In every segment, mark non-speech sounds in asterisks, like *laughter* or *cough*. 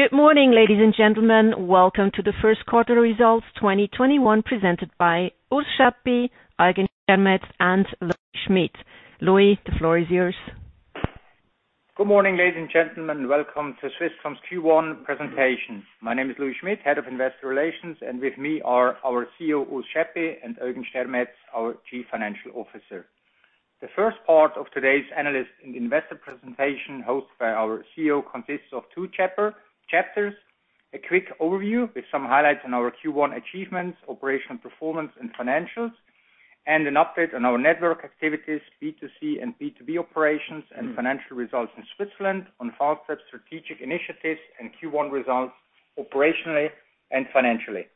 Good morning, ladies and gentlemen. Welcome to the first quarter results 2021, presented by Urs Schaeppi, Eugen Stermetz, and Louis Schmid. Louis, the floor is yours. Good morning, ladies and gentlemen. Welcome to Swisscom's Q1 presentation. My name is Louis Schmid, head of investor relations, and with me are our CEO, Urs Schaeppi, and Eugen Stermetz, our chief financial officer. The first part of today's analyst and investor presentation, hosted by our CEO, consists of two chapters. A quick overview with some highlights on our Q1 achievements, operational performance, and financials, and an update on our network activities, B2C and B2B operations, and financial results in Switzerland on Fastweb strategic initiatives and Q1 results operationally and financially.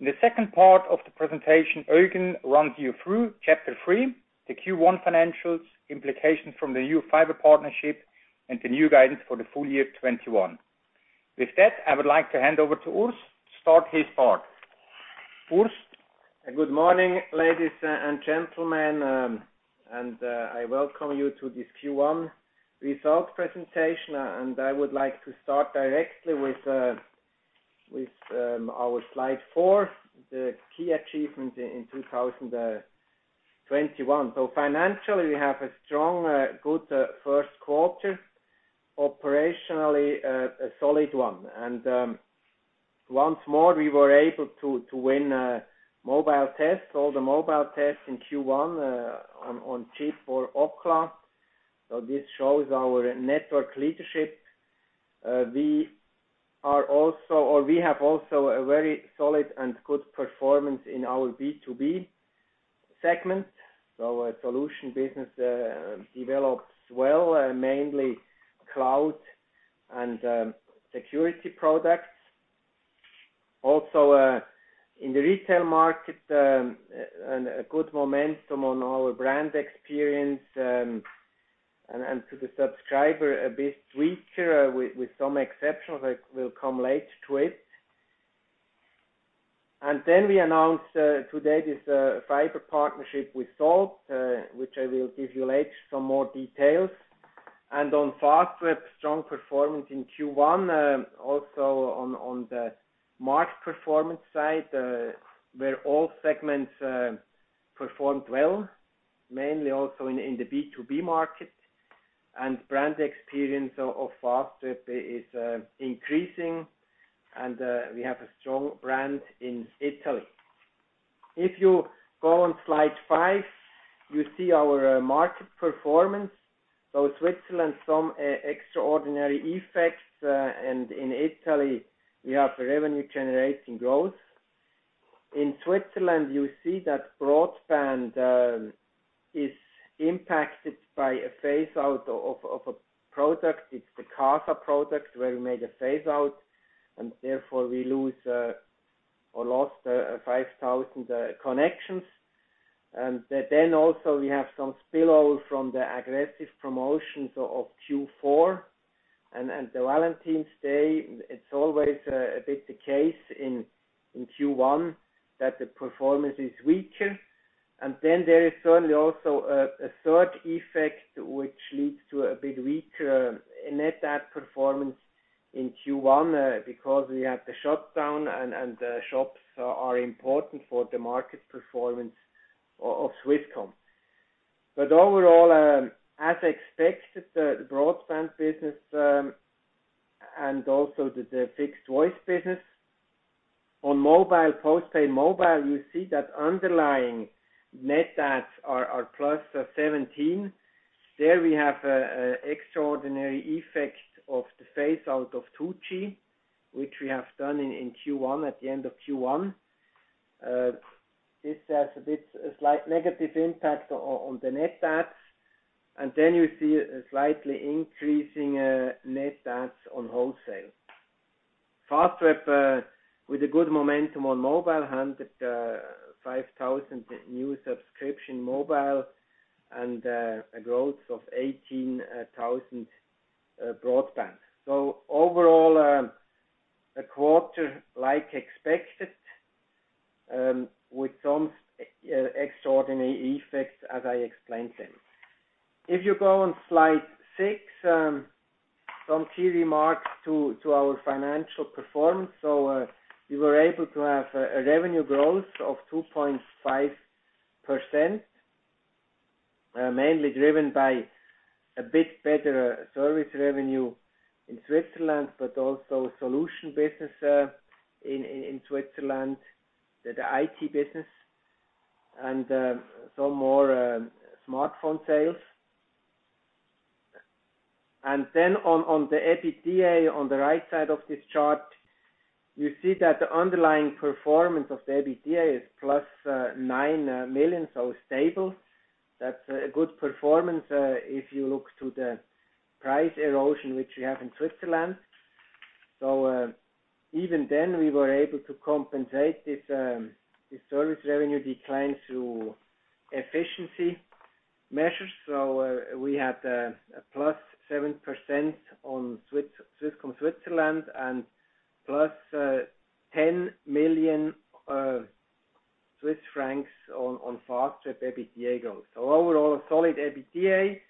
In the second part of the presentation, Eugen runs you through chapter three, the Q1 financials implications from the new fiber partnership and the new guidance for the full year 2021. With that, I would like to hand over to Urs to start his part. Urs? Good morning, ladies and gentlemen. I welcome you to this Q1 results presentation. I would like to start directly with our slide four, the key achievements in 2021. Financially, we have a strong, good first quarter. Operationally, a solid one. Once more, we were able to win mobile tests, all the mobile tests in Q1, on CHIP or Ookla. This shows our network leadership. We have also a very solid and good performance in our B2B segment. Our solution business develops well, mainly cloud and security products. Also in the retail market, a good momentum on our brand experience, and to the subscriber, a bit weaker with some exceptions. I will come later to it. We announced today this fiber partnership with Salt, which I will give you later some more details. On Fastweb, strong performance in Q1. Also on the market performance side, where all segments performed well, mainly also in the B2B market. Brand experience of Fastweb is increasing. We have a strong brand in Italy. If you go on slide five, you see our market performance. Switzerland, some extraordinary effects, and in Italy, we have revenue-generating growth. In Switzerland, you see that broadband is impacted by a phase-out of a product. It's the Casa product where we made a phase-out, and therefore we lose or lost 5,000 connections. Then also we have some spill-over from the aggressive promotions of Q4. The Valentine's Day, it's always a bit the case in Q1 that the performance is weaker. There is certainly also a third effect, which leads to a bit weaker net add performance in Q1 because we had the shutdown and the shops are important for the market performance of Swisscom. Overall, as expected, the broadband business and also the fixed voice business. On mobile, postpaid mobile, you see that underlying net adds are plus 17. There we have an extraordinary effect of the phase-out of 2G, which we have done in Q1, at the end of Q1. This has a slight negative impact on the net adds. You see a slightly increasing net adds on wholesale. Fastweb with a good momentum on mobile, 105,000 new subscription mobile and a growth of 18,000 broadband. Overall, a quarter like expected with some extraordinary effects as I explained them. If you go on slide six, some key remarks to our financial performance. We were able to have a revenue growth of 2.5%, mainly driven by a bit better service revenue in Switzerland, but also solution business in Switzerland, the IT business, and some more smartphone sales. On the EBITDA on the right side of this chart, you see that the underlying performance of the EBITDA is + 9 million, so stable. That's a good performance if you look to the price erosion, which we have in Switzerland. Even then, we were able to compensate this service revenue decline through efficiency measures. We had a +7% on Swisscom Switzerland and + CHF 10 million on Fastweb EBITDA growth. Overall, a solid EBITDA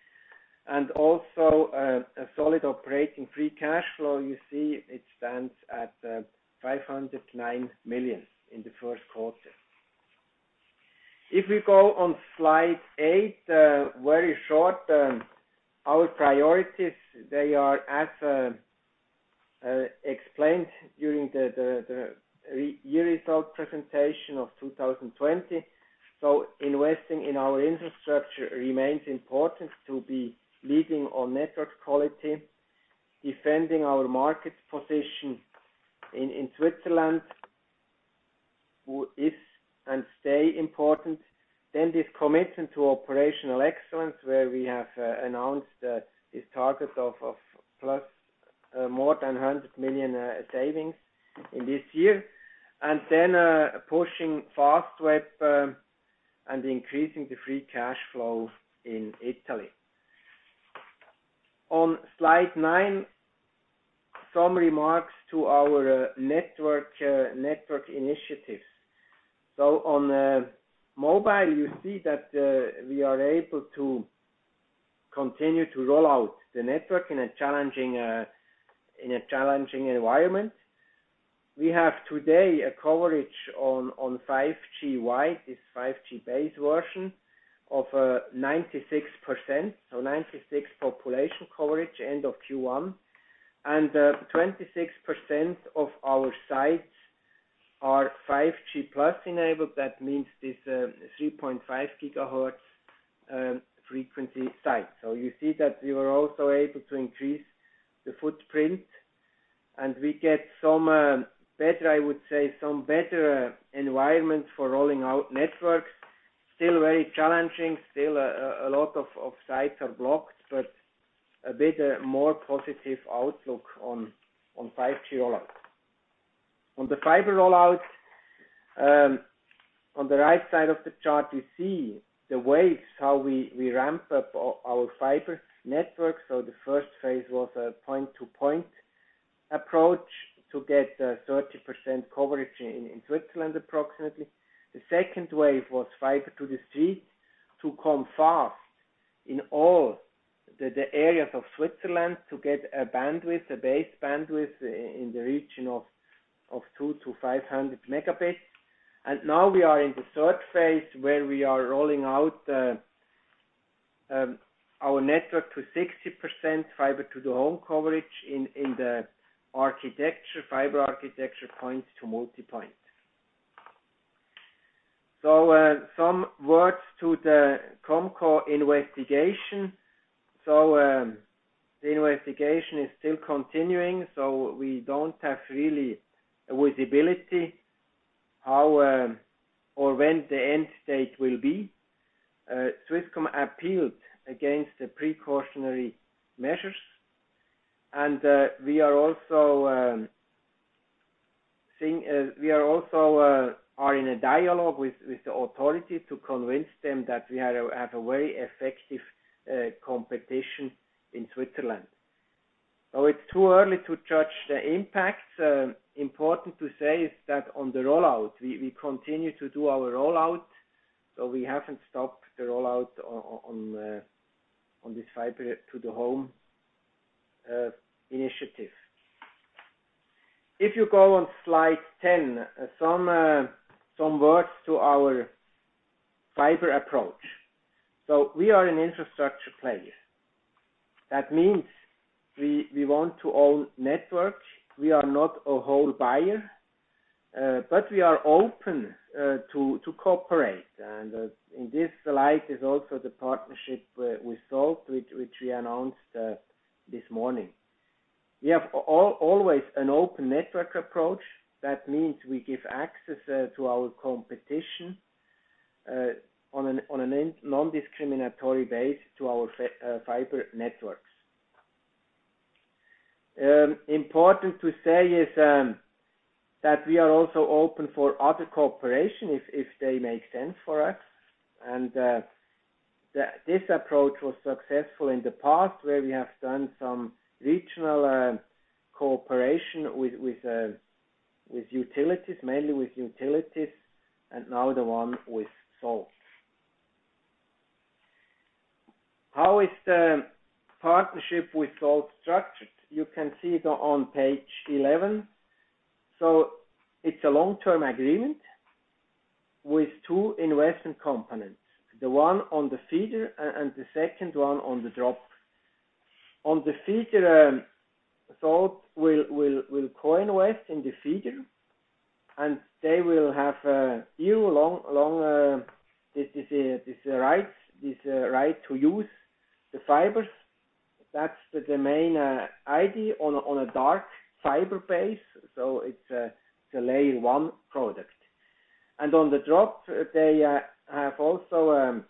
and also a solid operating free cash flow. You see it stands at 509 million in the first quarter. On slide eight, very short, our priorities are as explained during the year result presentation of 2020. Investing in our infrastructure remains important to be leading on network quality, defending our market position in Switzerland is and stay important. This commitment to operational excellence, where we have announced this target of more than 100 million savings in this year. Pushing Fastweb, and increasing the free cash flow in Italy. On slide nine, some remarks to our network initiatives. On mobile, you see that we are able to continue to roll out the network in a challenging environment. We have today a coverage on 5G wide, this 5G base version, of 96%. 96 population coverage end of Q1. 26% of our sites are 5G+ enabled. That means this 3.5 gigahertz frequency site. You see that we were also able to increase the footprint and we get some better, I would say, some better environment for rolling out networks. Still very challenging. Still a lot of sites are blocked, but a better, more positive outlook on 5G rollout. On the fiber rollout, on the right side of the chart, you see the waves, how we ramp up our fiber network. The first phase was a point-to-point approach to get 30% coverage in Switzerland approximately. The second wave was fiber to the street to come fast in all the areas of Switzerland to get a bandwidth, a base bandwidth in the region of 2 to 500 megabits. Now we are in the third phase where we are rolling out our network to 60% fiber to the home coverage in the fiber architecture point-to-multipoint. Some words to the COMCO investigation. The investigation is still continuing, so we don't have really visibility how or when the end state will be. Swisscom appealed against the precautionary measures, and we are also in a dialogue with the authority to convince them that we have a very effective competition in Switzerland. It's too early to judge the impacts. Important to say is that on the rollout, we continue to do our rollout, so we haven't stopped the rollout on this fiber to the home initiative. If you go on slide 10, some words to our fiber approach. We are an infrastructure player. That means we want to own network. We are not a wholesale buyer, but we are open to cooperate. In this slide is also the partnership with Salt, which we announced this morning. We have always an open network approach. That means we give access to our competition, on a non-discriminatory basis to our fiber networks. Important to say is that we are also open for other cooperation if they make sense for us. This approach was successful in the past where we have done some regional cooperation with utilities, mainly with utilities, and now the one with Salt. How is the partnership with Salt structured? You can see on page 11. It's a long-term agreement with two investment components, the one on the feeder and the second one on the drop. On the feeder, Salt will co-invest in the feeder, and they will have a view, this right to use the fibers. That's the main idea on a dark fiber basis. It's a Layer 1 product. On the drop, they are also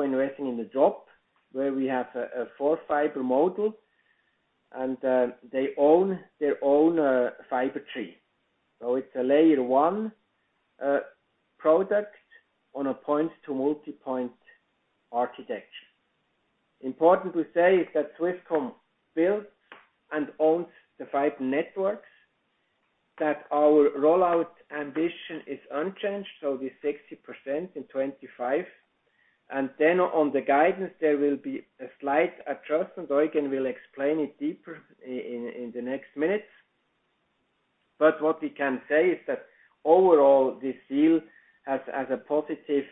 investing in the drop where we have a four-fiber model and they own their own fiber tree. It's a Layer 1 product on a point-to-multipoint architecture. Important to say is that Swisscom built and owns the five networks, that our rollout ambition is unchanged, so the 60% in 2025. On the guidance, there will be a slight adjustment. Eugen will explain it deeper in the next minutes. What we can say is that overall, this deal has a positive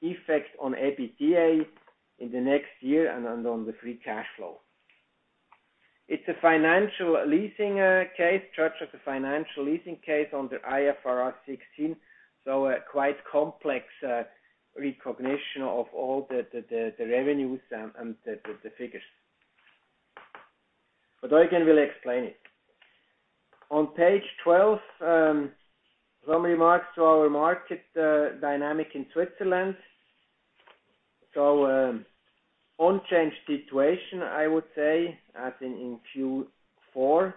effect on EBITDA in the next year and on the free cash flow. It's a financial leasing case, charged as a financial leasing case under IFRS 16, so a quite complex recognition of all the revenues and the figures. Eugen will explain it. On page 12, some remarks to our market dynamic in Switzerland. Unchanged situation, I would say, as in Q4.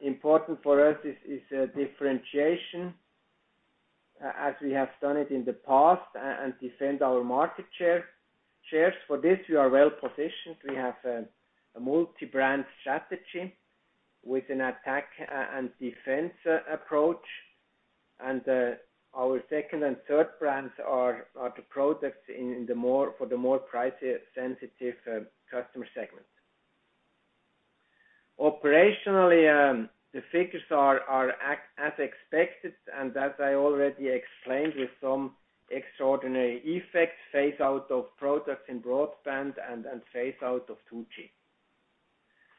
Important for us is differentiation, as we have done it in the past, and defend our market shares. For this, we are well-positioned. We have a multi-brand strategy with an attack and defense approach, and our second and third brands are the products for the more price-sensitive customer segments. Operationally, the figures are as expected, and as I already explained, with some extraordinary effects, phase-out of products in broadband and phase-out of 2G.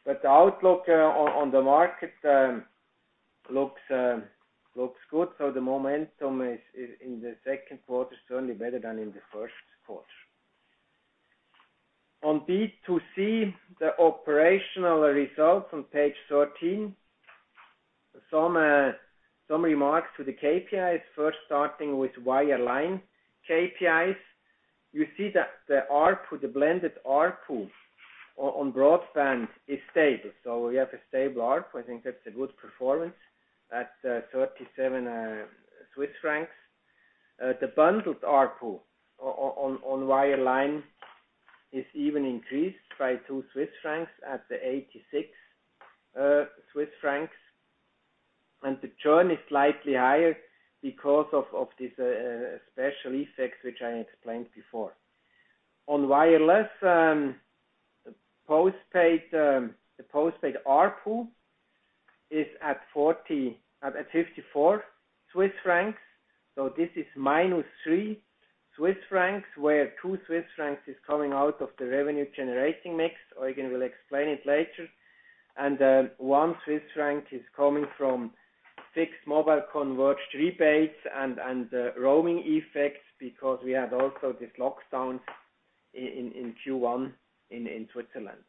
The outlook on the market looks good. The momentum in the second quarter is certainly better than in the first quarter. On B2C, the operational results on page 13. Some remarks to the KPIs, first starting with wireline KPIs. You see that the blended ARPU on broadband is stable. We have a stable ARPU. I think that's a good performance at 37 Swiss francs. The bundled ARPU on wireline is even increased by 2 Swiss francs at the 86 Swiss francs. The churn is slightly higher because of this special effects, which I explained before. On wireless, the postpaid ARPU is at 54 Swiss francs. This is minus 3 Swiss francs, where 2 Swiss francs is coming out of the revenue-generating mix. Eugen will explain it later. 1 Swiss franc is coming from fixed-mobile converged rebates and roaming effects because we had also this lockdown in Q1 in Switzerland.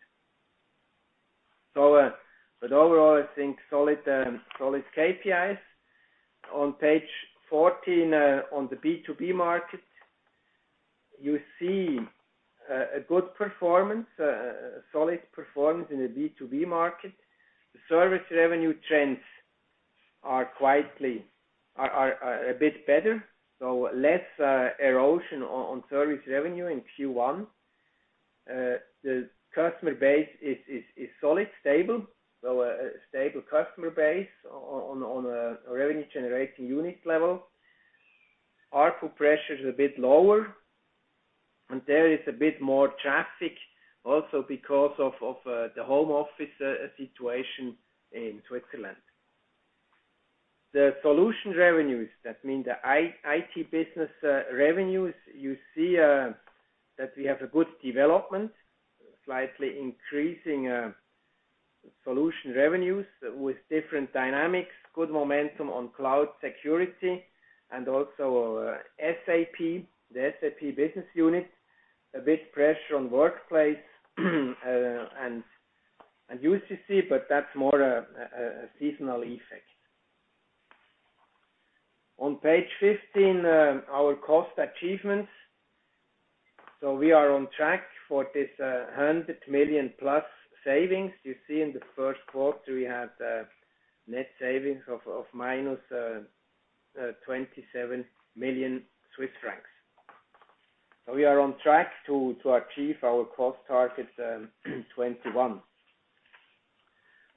Overall, I think solid KPIs. On page 14, on the B2B market, you see a good performance, a solid performance in the B2B market. The service revenue trends are a bit better, so less erosion on service revenue in Q1. The customer base is solid, stable, so a stable customer base on a revenue-generating unit level. ARPU pressure is a bit lower, and there is a bit more traffic also because of the home office situation in Switzerland. The solution revenues, that means the IT business revenues, you see that we have a good development, slightly increasing solution revenues with different dynamics, good momentum on cloud security and also SAP, the SAP business unit. A bit pressure on Workplace and UCC, but that's more a seasonal effect. On page 15, our cost achievements. We are on track for this 100 million-plus savings. You see in the first quarter, we had a net savings of minus 27 million Swiss francs. We are on track to achieve our cost target 2021.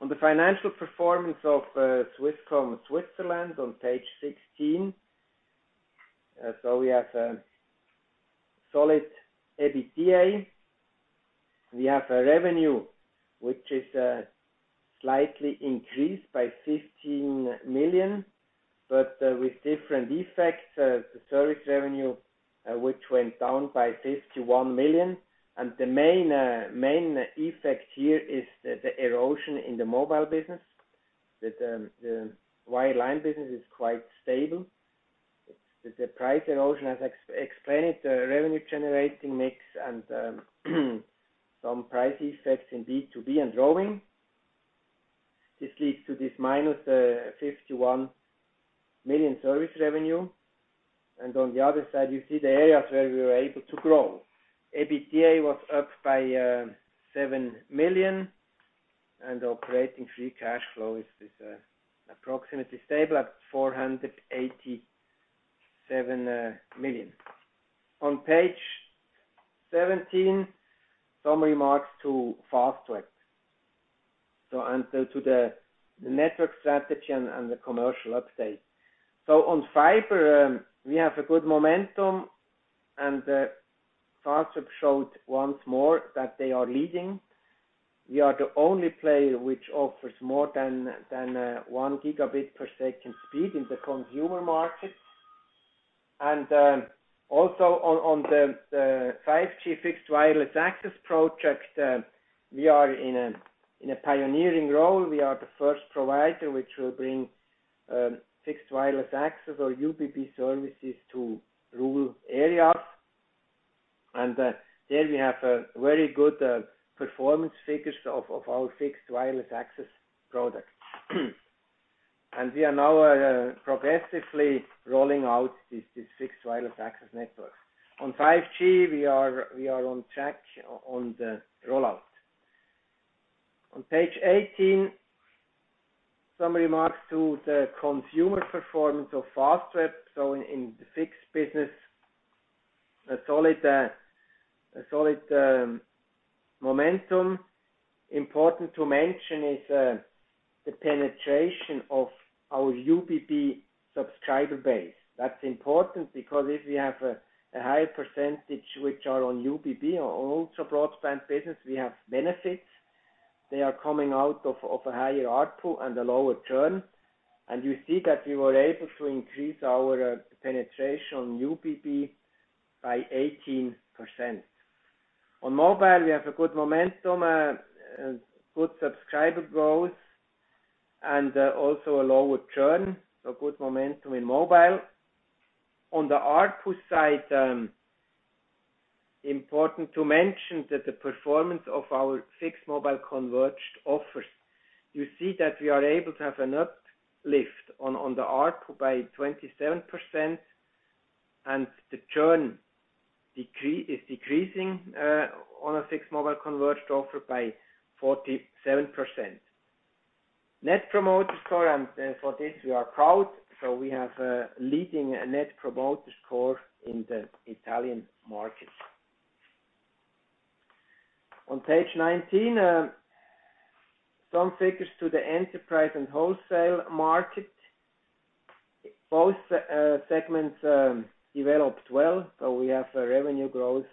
On the financial performance of Swisscom Switzerland on page 16. We have a solid EBITDA. We have a revenue, which is slightly increased by 15 million, but with different effects. The service revenue, which went down by 51 million. The main effect here is the erosion in the mobile business. The wireline business is quite stable. The price erosion, as explained, the revenue-generating mix and some price effects in B2B and roaming, this leads to this minus 51 million service revenue. On the other side, you see the areas where we were able to grow. EBITDA was up by 7 million, and operating free cash flow is approximately stable at 4,807 million. On page 17, some remarks to Fastweb and to the network strategy and the commercial update. On fiber, we have a good momentum and Fastweb showed once more that they are leading. We are the only player which offers more than 1 GB per second speed in the consumer market. Also on the 5G fixed wireless access project, we are in a pioneering role. We are the first provider which will bring fixed wireless access or UBB services to rural areas. There we have very good performance figures of our fixed wireless access product. We are now progressively rolling out this fixed wireless access network. On 5G, we are on track on the rollout. On page 18, some remarks to the consumer performance of Fastweb. In the fixed business, a solid momentum. Important to mention is the penetration of our UBB subscriber base. That's important because if we have a high percentage which are on UBB or ultra broadband business, we have benefits. They are coming out of a higher ARPU and a lower churn. You see that we were able to increase our penetration on UBB by 18%. On mobile, we have a good momentum, good subscriber growth, and also a lower churn. Good momentum in mobile. On the ARPU side, important to mention that the performance of our fixed mobile converged offers. You see that we are able to have an uplift on the ARPU by 27%, and the churn is decreasing on a fixed mobile converged offer by 47%. Net Promoter Score, and for this we are proud. We have a leading Net Promoter Score in the Italian market. On page 19, some figures to the enterprise and wholesale market. Both segments developed well. We have a revenue growth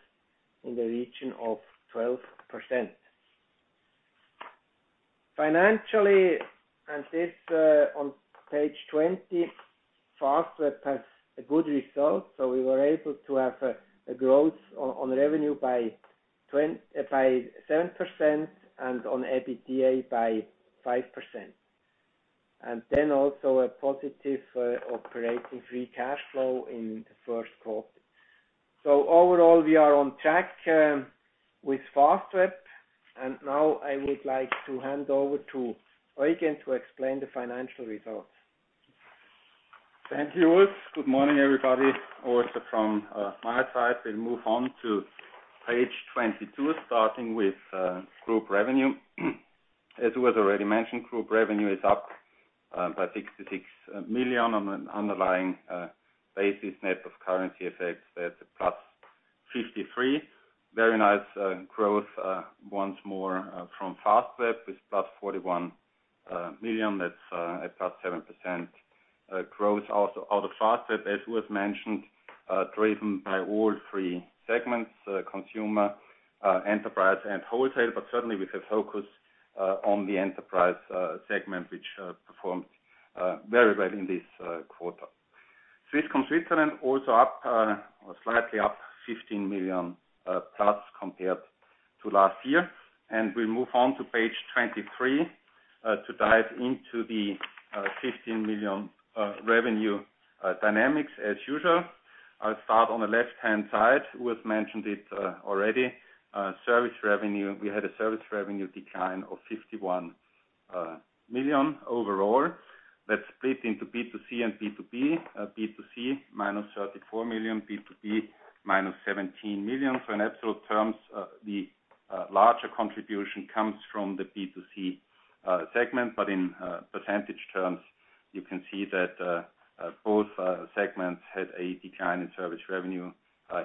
in the region of 12%. Financially, and this on page 20, Fastweb has a good result. We were able to have a growth on revenue by 7% and on EBITDA by 5%. Also a positive operating free cash flow in the first quarter. Overall, we are on track with Fastweb. Now I would like to hand over to Eugen to explain the financial results. Thank you, Urs. Good morning, everybody. Also from my side, we'll move on to page 22, starting with group revenue. As it was already mentioned, group revenue is up by 66 million on an underlying basis. Net of currency effects, that's a plus 53. Very nice growth once more from Fastweb with plus 41 million. That's a plus 7% growth out of Fastweb, as it was mentioned, driven by all three segments: consumer, enterprise, and wholesale. Certainly, we have focused on the enterprise segment, which performed very well in this quarter. Swisscom Switzerland also up or slightly up 15 million plus compared to last year. We move on to page 23 to dive into the 15 million revenue dynamics as usual. I'll start on the left-hand side. Urs mentioned it already. Service revenue. We had a service revenue decline of 51 million overall. That's split into B2C and B2B. B2C minus 34 million, B2B minus 17 million. In absolute terms, the larger contribution comes from the B2C segment. In percentage terms, you can see that both segments had a decline in service revenue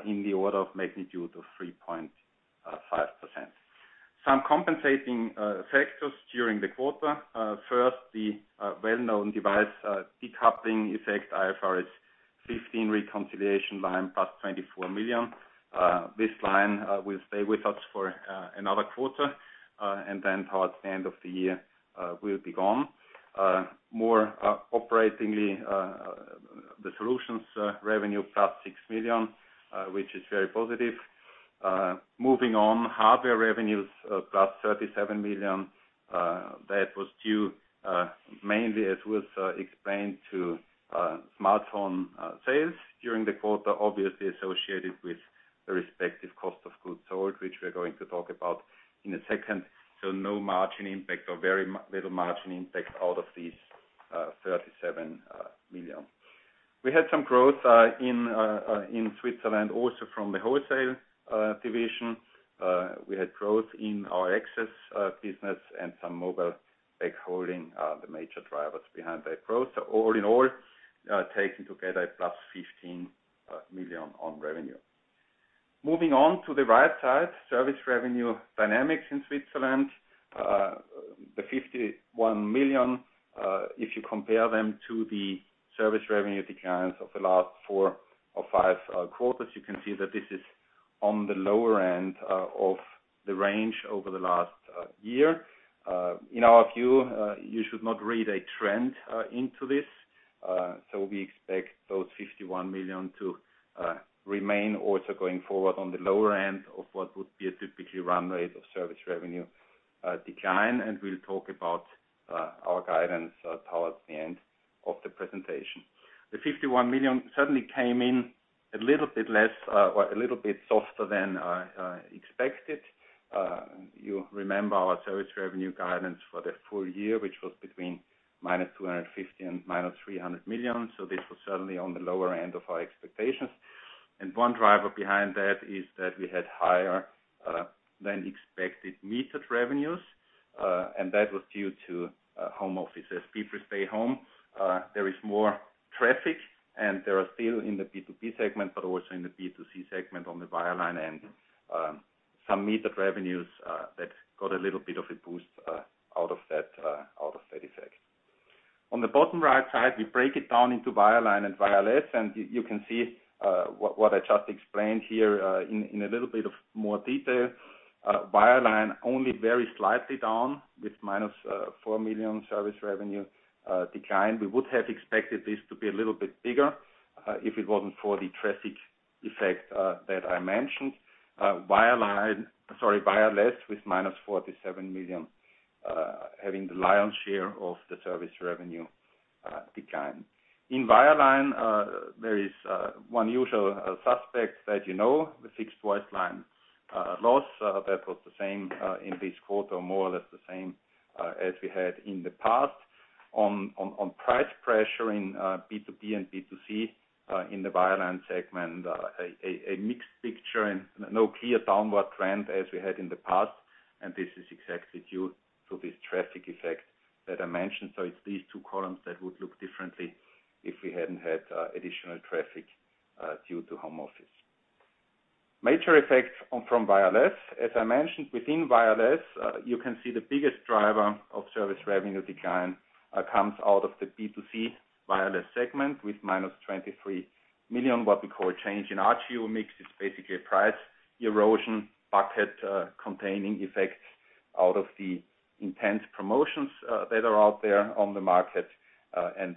in the order of magnitude of 3.5%. Some compensating factors during the quarter. First, the well-known device decoupling effect, IFRS 15 reconciliation line, plus 24 million. This line will stay with us for another quarter and then towards the end of the year will be gone. More operatingly, the solutions revenue plus 6 million, which is very positive. Moving on, hardware revenues plus 37 million. That was due mainly, as was explained, to smartphone sales during the quarter, obviously associated with the respective cost of goods sold, which we're going to talk about in a second. No margin impact or very little margin impact out of these 37 million. We had some growth in Switzerland also from the wholesale division. We had growth in our access business and some mobile backhauling, the major drivers behind that growth. All in all, taken together, a plus 15 million on revenue. Moving on to the right side, service revenue dynamics in Switzerland, the 51 million, if you compare them to the service revenue declines of the last four or five quarters, you can see that this is on the lower end of the range over the last year. In our view, you should not read a trend into this. We expect those 51 million to remain also going forward on the lower end of what would be a typical run rate of service revenue decline, and we'll talk about our guidance towards the end of the presentation. The 51 million certainly came in a little bit softer than expected. You remember our service revenue guidance for the full year, which was between -250 million and -300 million. This was certainly on the lower end of our expectations. One driver behind that is that we had higher than expected metered revenues. That was due to home offices. People stay home. There is more traffic, and they are still in the B2B segment, but also in the B2C segment on the Wireline end. Some metered revenues that got a little bit of a boost out of that effect. On the bottom right side, we break it down into Wireline and Wireless, and you can see what I just explained here in a little bit of more detail. Wireline only very slightly down with -4 million service revenue decline. We would have expected this to be a little bit bigger if it wasn't for the traffic effect that I mentioned. Wireless with -47 million, having the lion's share of the service revenue decline. In Wireline, there is one usual suspect that you know, the fixed voice line loss. That was the same in this quarter, more or less the same as we had in the past. Price pressure in B2B and B2C in the Wireline segment, a mixed picture and no clear downward trend as we had in the past. This is exactly due to this traffic effect that I mentioned. It's these two columns that would look differently if we hadn't had additional traffic due to home office. Major effect from Wireless. As I mentioned, within Wireless, you can see the biggest driver of service revenue decline comes out of the B2C Wireless segment with -23 million, what we call a change in ARPU mix. It's basically a price erosion bucket containing effects out of the intense promotions that are out there on the market.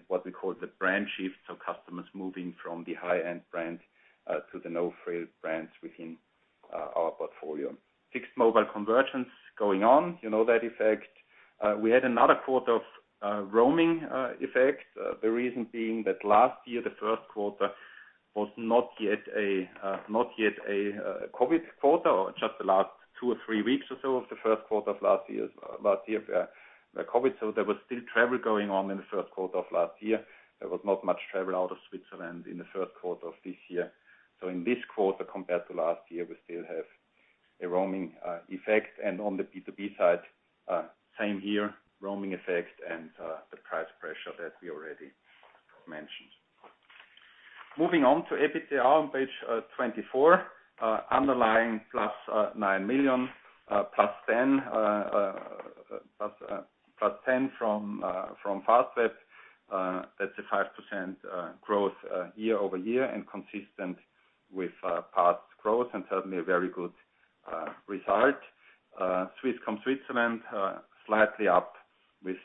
What we call the brand shift, so customers moving from the high-end brand to the no-frill brands within our portfolio. Fixed mobile convergence going on. You know that effect. We had another quarter of roaming effect. The reason being that last year, the first quarter was not yet a COVID quarter, or just the last two or three weeks or so of the first quarter of last year, COVID. There was still travel going on in the first quarter of last year. There was not much travel out of Switzerland in the first quarter of this year. In this quarter compared to last year, we still have a roaming effect. On the B2B side, same here, roaming effect and the price pressure that we already mentioned. Moving on to EBITDA on page 24. Underlying +9 million, +10 from Fastweb. That's a 5% growth year-over-year and consistent with past growth and certainly a very good result. Swisscom Switzerland slightly up with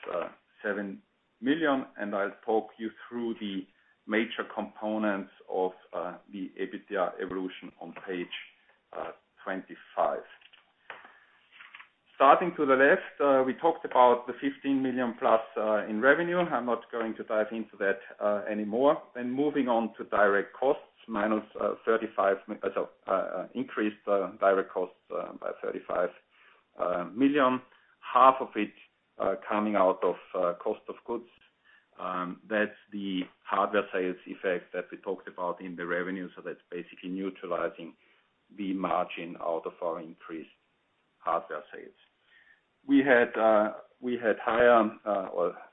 7 million. I'll talk you through the major components of the EBITDA evolution on page 25. Starting to the left, we talked about the 15 million-plus in revenue. I'm not going to dive into that anymore. Moving on to direct costs, increased direct costs by 35 million. Half of it coming out of cost of goods. That's the hardware sales effect that we talked about in the revenue. That's basically neutralizing the margin out of our increased hardware sales. We had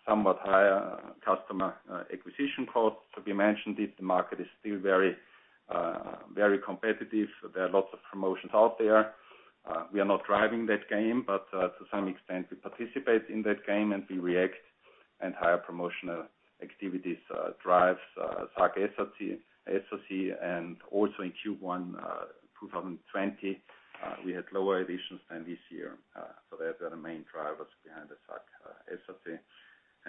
somewhat higher customer acquisition costs. We mentioned it. The market is still very competitive. There are lots of promotions out there. We are not driving that game, but to some extent, we participate in that game and we react, and higher promotional activities drives SAC, SOC, and also in Q1 2020, we had lower additions than this year. They are the main drivers behind the SAC, SOC.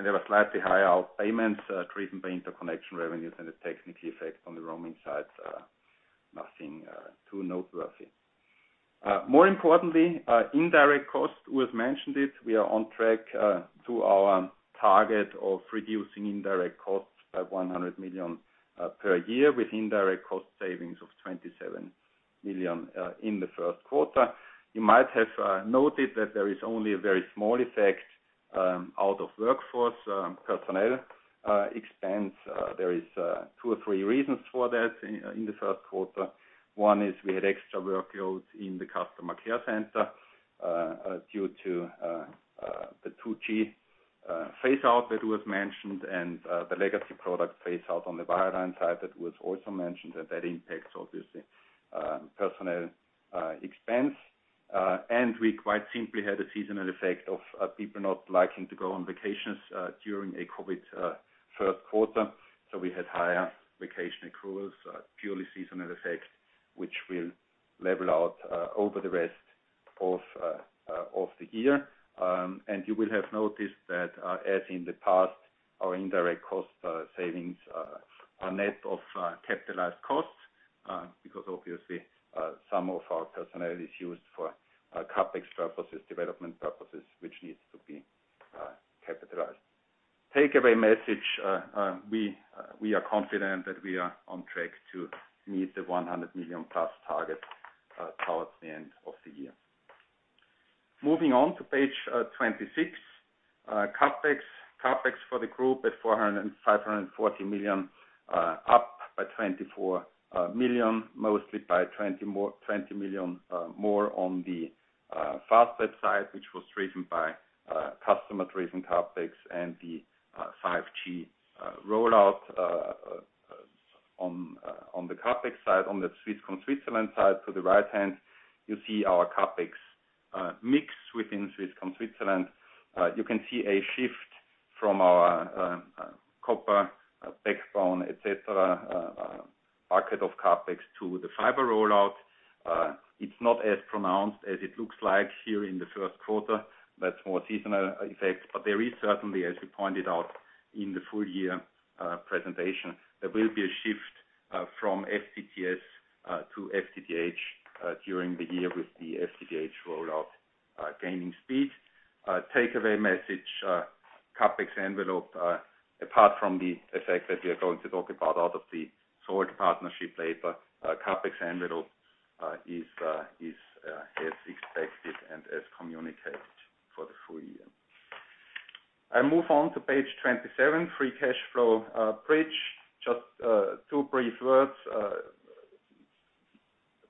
There were slightly higher outpayments driven by interconnection revenues and the technical effect on the roaming side. Nothing too noteworthy. More importantly, indirect costs. We've mentioned it. We are on track to our target of reducing indirect costs by 100 million per year with indirect cost savings of 27 million in the first quarter. You might have noted that there is only a very small effect out of workforce personnel expense. There is two or three reasons for that in the first quarter. One is we had extra workloads in the customer care center due to the 2G phase out that was mentioned and the legacy product phase out on the wireline side that was also mentioned, that impacts, obviously, personnel expense. We quite simply had a seasonal effect of people not liking to go on vacations during a COVID third quarter. We had higher vacation accruals, purely seasonal effects, which will level out over the rest of the year. You will have noticed that as in the past, our indirect cost savings are net of capitalized costs, because obviously, some of our personnel is used for CapEx purposes, development purposes, which needs to be capitalized. Takeaway message, we are confident that we are on track to meet the 100 million plus target towards the end of the year. Moving on to page 26. CapEx. CapEx for the group at 540 million, up by 24 million, mostly by 20 million more on the Fastweb side, which was driven by customer-driven CapEx and the 5G rollout on the CapEx side. On the Swisscom Switzerland side to the right-hand, you see our CapEx mix within Swisscom Switzerland. You can see a shift from our copper backbone, et cetera, bucket of CapEx to the fiber rollout. It's not as pronounced as it looks like here in the first quarter. That's more seasonal effect. There is certainly, as we pointed out in the full year presentation, there will be a shift from FTTS to FTTH during the year with the FTTH rollout gaining speed. Takeaway message, CapEx envelope apart from the effect that we are going to talk about out of the Salt partnership paper, CapEx envelope is as expected and as communicated for the full year. I move on to page 27, free cash flow bridge. Just two brief words.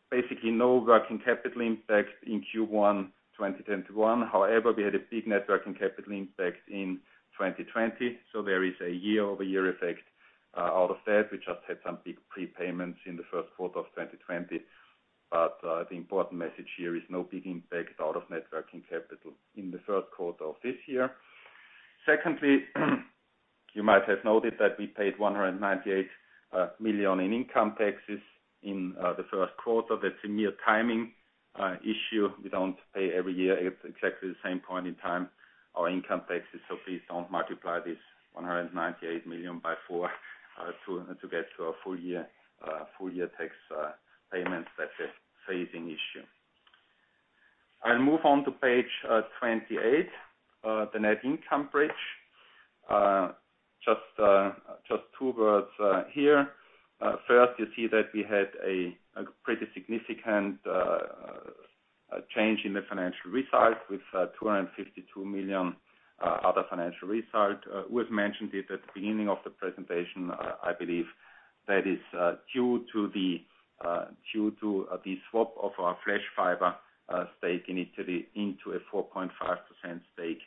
Basically no working capital impact in Q1 2021. We had a big net working capital impact in 2020. There is a year-over-year effect out of that. We just had some big prepayments in the first quarter of 2020. The important message here is no big impact out of net working capital in the first quarter of this year. Secondly, you might have noted that we paid 198 million in income taxes in the first quarter. That's a mere timing issue. We don't pay every year at exactly the same point in time our income taxes. Please don't multiply this 198 million by four to get to a full year tax payment. That's a phasing issue. I'll move on to page 28, the net income bridge. Just two words here. First, you see that we had a pretty significant change in the financial result with 252 million other financial result. Urs mentioned it at the beginning of the presentation, I believe. That is due to the swap of our Flash Fiber stake in Italy into a 4.5% stake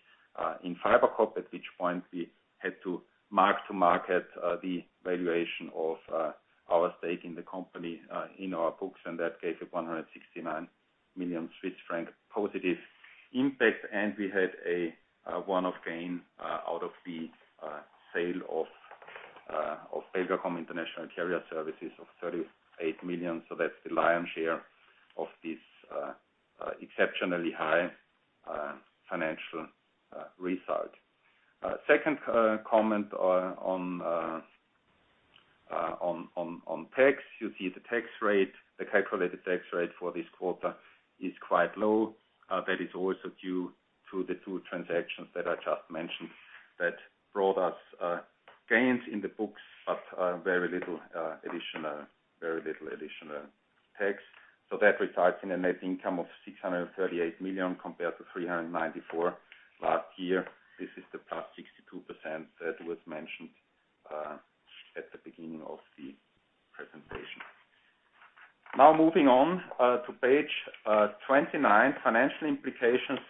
in FiberCop, at which point we had to mark to market the valuation of our stake in the company in our books. That gave a 169 million Swiss franc positive impact. We had a one-off gain out of the sale of Belgacom International Carrier Services of 38 million. That's the lion's share of this exceptionally high financial result. Second comment on tax. You see the tax rate, the calculated tax rate for this quarter is quite low. That is also due to the two transactions that I just mentioned that brought us gains in the books, but very little additional tax. That results in a net income of 638 million compared to 394 million last year. This is the +62% that was mentioned at the beginning of the presentation. Now moving on to page 29, financial implications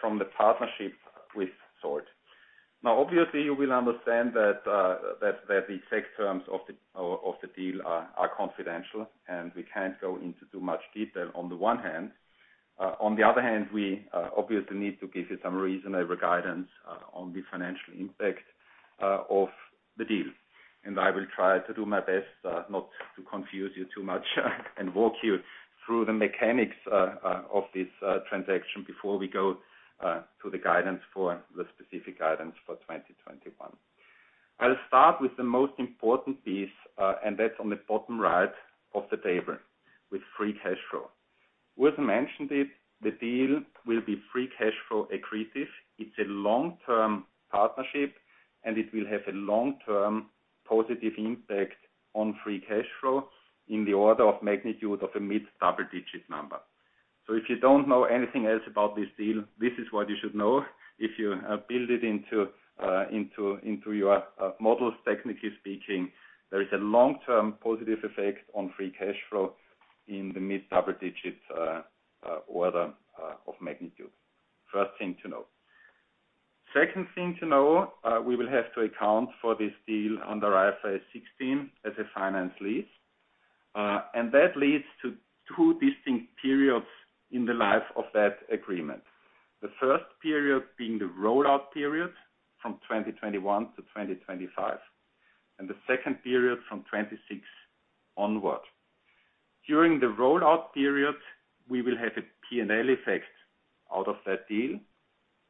from the partnership with Salt. Now, obviously, you will understand that the tax terms of the deal are confidential, and we can't go into too much detail on the one hand. On the other hand, we obviously need to give you some reasonable guidance on the financial impact of the deal. I will try to do my best not to confuse you too much and walk you through the mechanics of this transaction before we go to the specific guidance for 2021. I'll start with the most important *audio distortion* with free cash flow. Urs mentioned it, the deal will be free cash flow accretive. It's a long-term partnership, it will have a long-term positive impact on free cash flow in the order of magnitude of a mid-double-digit number. If you don't know anything else about this deal, this is what you should know. If you build it into your models, technically speaking, there is a long-term positive effect on free cash flow in the mid-double-digits order of magnitude. First thing to know. Second thing to know, we will have to account for this deal on the IFRS 16. *audio distortion* That leads to two distinct periods in the life of that agreement. The first period being the rollout period from 2021 to 2025, and the second period from 2026 onwards. During the rollout period, we will have a P&L effect out of that deal.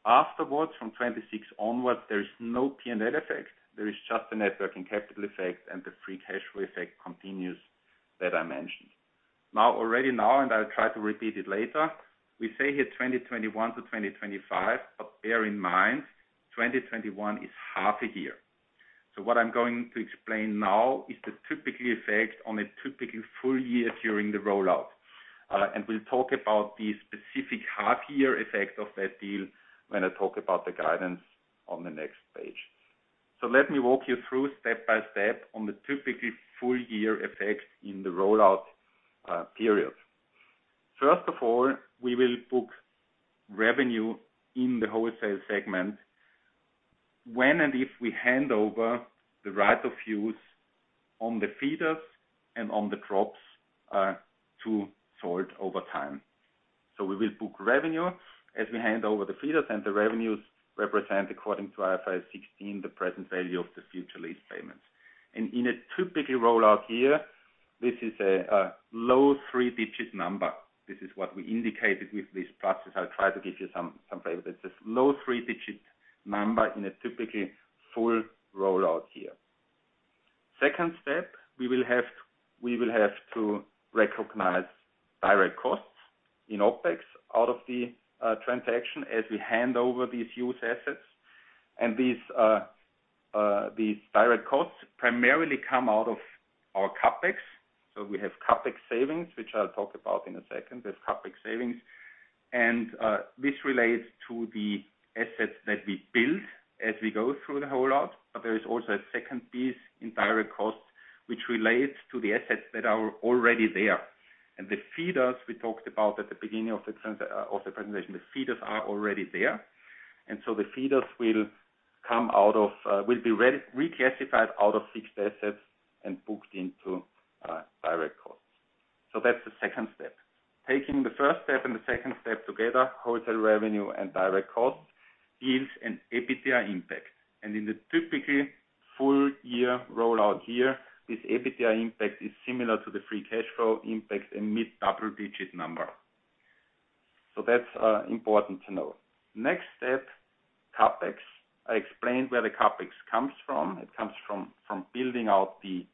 Afterwards, from 2026 onwards, there is no P&L effect. There is just a net working capital effect and the free cash flow effect continues that I mentioned. Already now, and I'll try to repeat it later, we say here 2021 to 2025, but bear in mind, 2021 is half a year. What I'm going to explain now is the typical effect on a typical full year during the rollout. We'll talk about the specific half-year effect of that deal when I talk about the guidance on the next page. Let me walk you through step by step on the typical full year effects in the rollout period. First of all, we will book revenue in the wholesale segment when and if we hand over the right of use on the feeders and on the drops to Salt over time. We will book revenue as we hand over the feeders, and the revenues represent, according to IFRS 16, the present value of the future lease payments. In a typical rollout here, this is a low three-digit number. This is what we indicated with these pluses. I'll try to give you some flavor. That's a low three-digit number in a typical full rollout here. Second step, we will have to recognize direct costs in OpEx out of the transaction as we hand over these use assets. These direct costs primarily come out of our CapEx. We have CapEx savings, which I'll talk about in a second. There's CapEx savings, and this relates to the assets that we build as we go through the rollout. There is also a second piece in direct costs, which relates to the assets that are already there. The feeders we talked about at the beginning of the presentation, the feeders are already there. The feeders will be reclassified out of fixed assets and booked into direct costs. That's the second step. Taking the first step and the second step together, wholesale revenue and direct costs, yields an EBITDA impact. In the typical full-year rollout here, this EBITDA impact is similar to the free cash flow impact in mid-double-digit number. That's important to know. Next step, CapEx. I explained where the CapEx comes from. It comes from building out the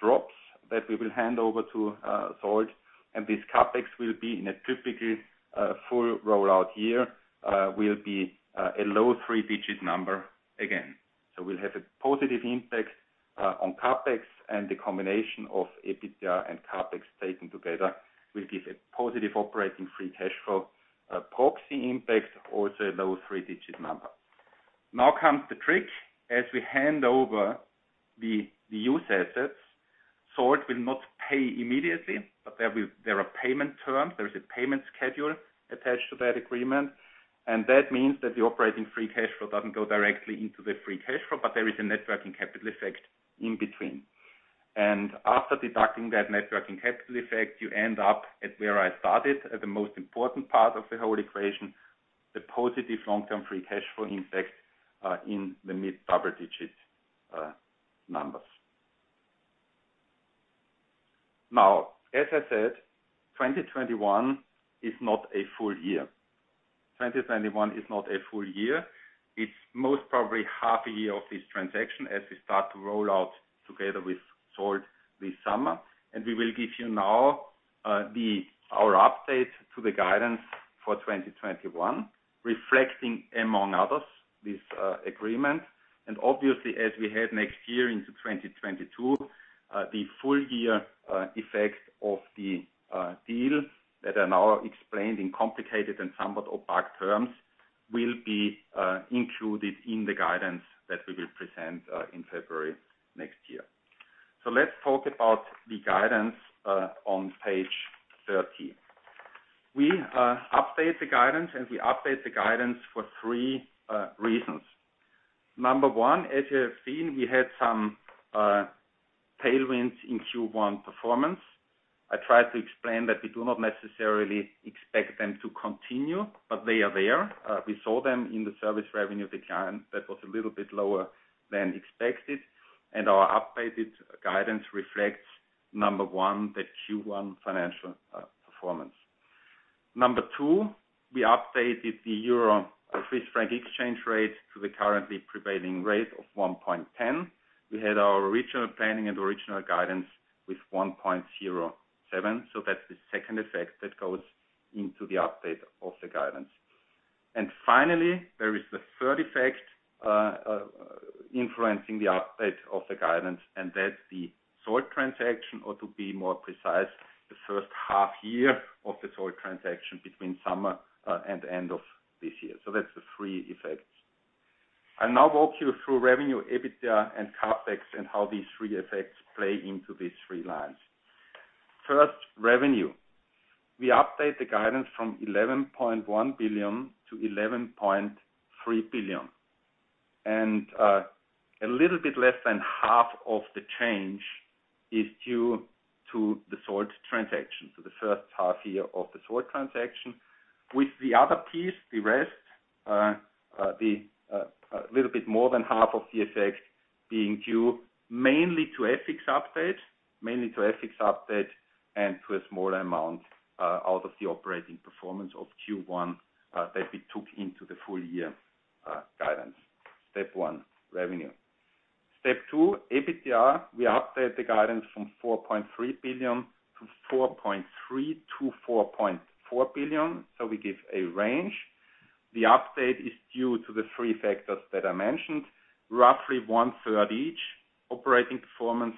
drops that we will hand over to Salt. This CapEx will be in a typical full rollout year, will be a low three-digit number again. We'll have a positive impact on CapEx, and the combination of EBITDA and CapEx taken together will give a positive operating free cash flow proxy impact, also a low three-digit number. Now comes the trick. As we hand over the use assets, Salt will not pay immediately, but there are payment terms. There is a payment schedule attached to that agreement, that means that the operating free cash flow doesn't go directly into the free cash flow, but there is a net working capital effect in between. After deducting that net working capital effect, you end up at where I started at the most important part of the whole equation, the positive long-term free cash flow impact in the mid-double-digit numbers. As I said, 2021 is not a full-year. 2021 is not a full-year. It's most probably half a year of this transaction as we start to roll out together with Salt this summer. We will give you now our update to the guidance for 2021, reflecting, among others, this agreement. Obviously, as we head next year into 2022, the full-year effects of the deal that are now explained in complicated and somewhat opaque terms will be included in the guidance that we will present in February next year. Let's talk about the guidance on page 13. We update the guidance, and we update the guidance for three reasons. Number one, as you have seen, we had some tailwinds in Q1 performance. I tried to explain that we do not necessarily expect them to continue, but they are there. We saw them in the service revenue decline that was a little bit lower than expected, and our updated guidance reflects, Number one, the Q1 financial performance. Number two, we updated the Euro/Swiss franc exchange rate to the currently prevailing rate of 1.10. We had our original planning and original guidance with 1.07. That's the second effect that goes into the update of the guidance. Finally, there is the third effect influencing the update of the guidance, and that's the Salt transaction, or to be more precise, the first half year of the Salt transaction between summer and end of this year. That's the three effects. I'll now walk you through revenue, EBITDA, and CapEx and how these three effects play into these three lines. First, revenue. We update the guidance from 11.1 billion to 11.3 billion. A little bit less than half of the change is due to the Salt transaction, so the first half year of the Salt transaction. With the other piece, the rest, a little bit more than half of the effect being due mainly to FX update and to a smaller amount out of the operating performance of Q1 that we took into the full-year guidance. Step one, revenue. Step two, EBITDA. We update the guidance from 4.3 billion-4.3 billion-CHF 4.4 billion, so we give a range. The update is due to the three factors that I mentioned, roughly one-third each: operating performance,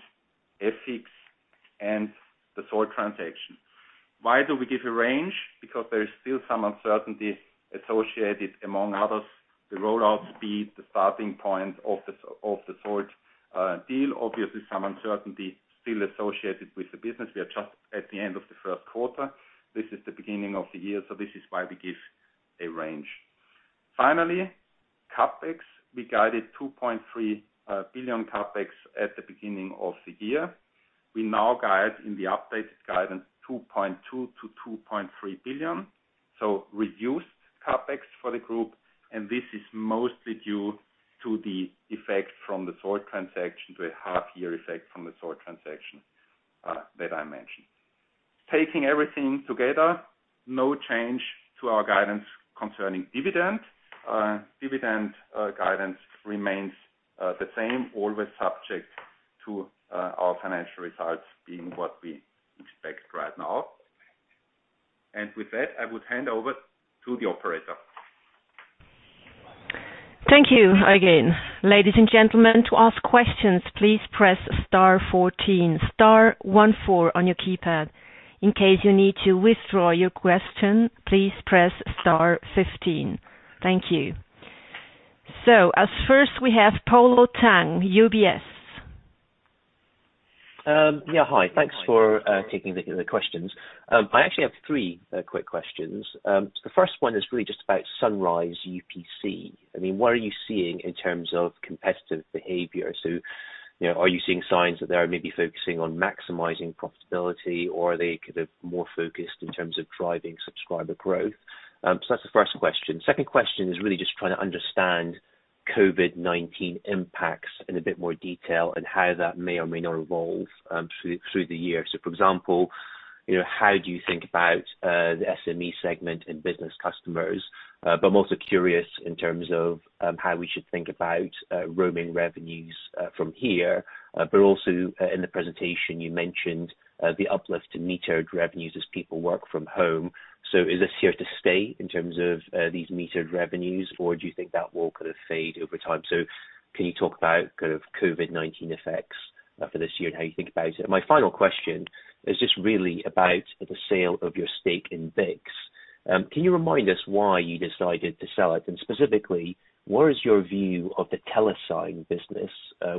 FX, and the Salt transaction. Why do we give a range? There is still some uncertainty associated, among others, the rollout speed, the starting point of the Salt deal. Obviously, some uncertainty still associated with the business. We are just at the end of the first quarter. This is the beginning of the year, so this is why we give a range. Finally, CapEx. We guided 2.3 billion CapEx at the beginning of the year. We now guide in the updated guidance 2.2 billion-2.3 billion, reduced CapEx for the group. This is mostly due to the effect from the Salt transaction to a half year effect from the Salt transaction that I mentioned. Taking everything together, no change to our guidance concerning dividend. Dividend guidance remains the same, always subject to our financial results being what we expect right now. With that, I would hand over to the operator. Thank you, Eugen. Ladies and gentlemen, to ask questions, please press star 14, star one four on your keypad. In case you need to withdraw your question, please press star 15. Thank you. As first we have Polo Tang, UBS. Hi. Thanks for taking the questions. I actually have three quick questions. The first one is really just about Sunrise UPC. What are you seeing in terms of competitive behavior? Are you seeing signs that they are maybe focusing on maximizing profitability, or are they more focused in terms of driving subscriber growth? That's the first question. Second question is really just trying to understand COVID-19 impacts in a bit more detail and how that may or may not evolve through the year. For example, how do you think about the SME segment and business customers? I'm also curious in terms of how we should think about roaming revenues from here. Also, in the presentation you mentioned the uplift in metered revenues as people work from home. Is this here to stay in terms of these metered revenues, or do you think that will fade over time? Can you talk about COVID-19 effects for this year and how you think about it? My final question is just really about the sale of your stake in BICS. Can you remind us why you decided to sell it? Specifically, where is your view of the TeleSign business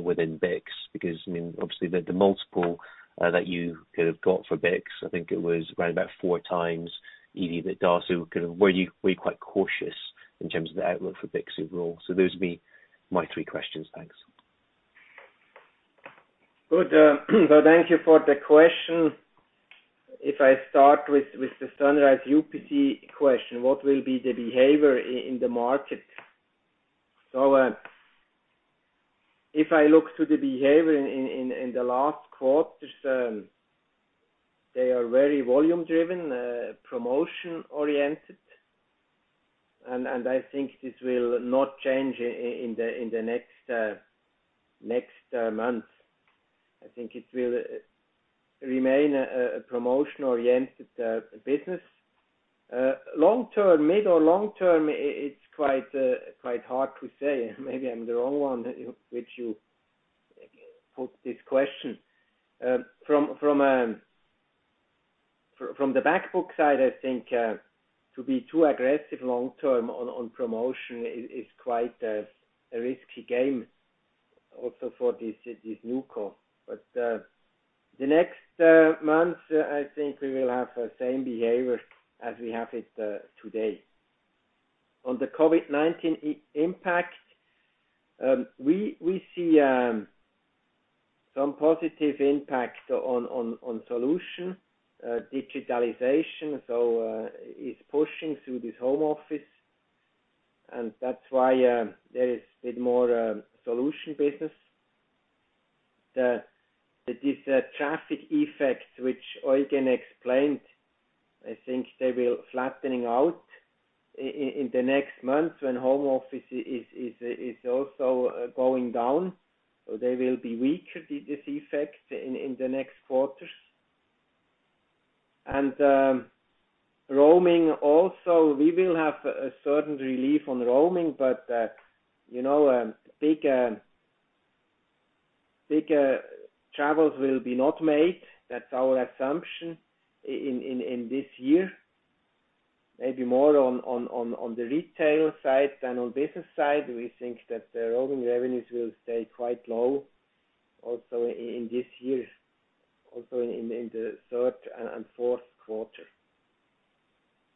within BICS? Because, obviously the multiple that you got for BICS, I think it was right about 4x EBITDA. Were you quite cautious in terms of the outlook for BICS overall? Those would be my three questions. Thanks. Good. Thank you for the question. If I start with the Sunrise UPC question, what will be the behavior in the market? If I look to the behavior in the last quarters, they are very volume driven, promotion oriented. I think this will not change in the next months. I think it will remain a promotion-oriented business. Mid or long term, it's quite hard to say. Maybe I'm the wrong one which you put this question. From the back book side, I think to be too aggressive long term on promotion is quite a risky game also for this new co. The next months, I think we will have the same behavior as we have it today. On the COVID-19 impact, we see some positive impact on solution, digitalization. It's pushing through this home office, and that's why there is a bit more solution business. This traffic effect which Eugen explained, I think they will flattening out in the next months when home office is also going down. They will be weaker, this effect, in the next quarters. Roaming also, we will have a certain relief on roaming, but a bigger travels will be not made, that's our assumption in this year. Maybe more on the retail side than on business side. We think that the roaming revenues will stay quite low also in this year, also in the third and fourth quarter.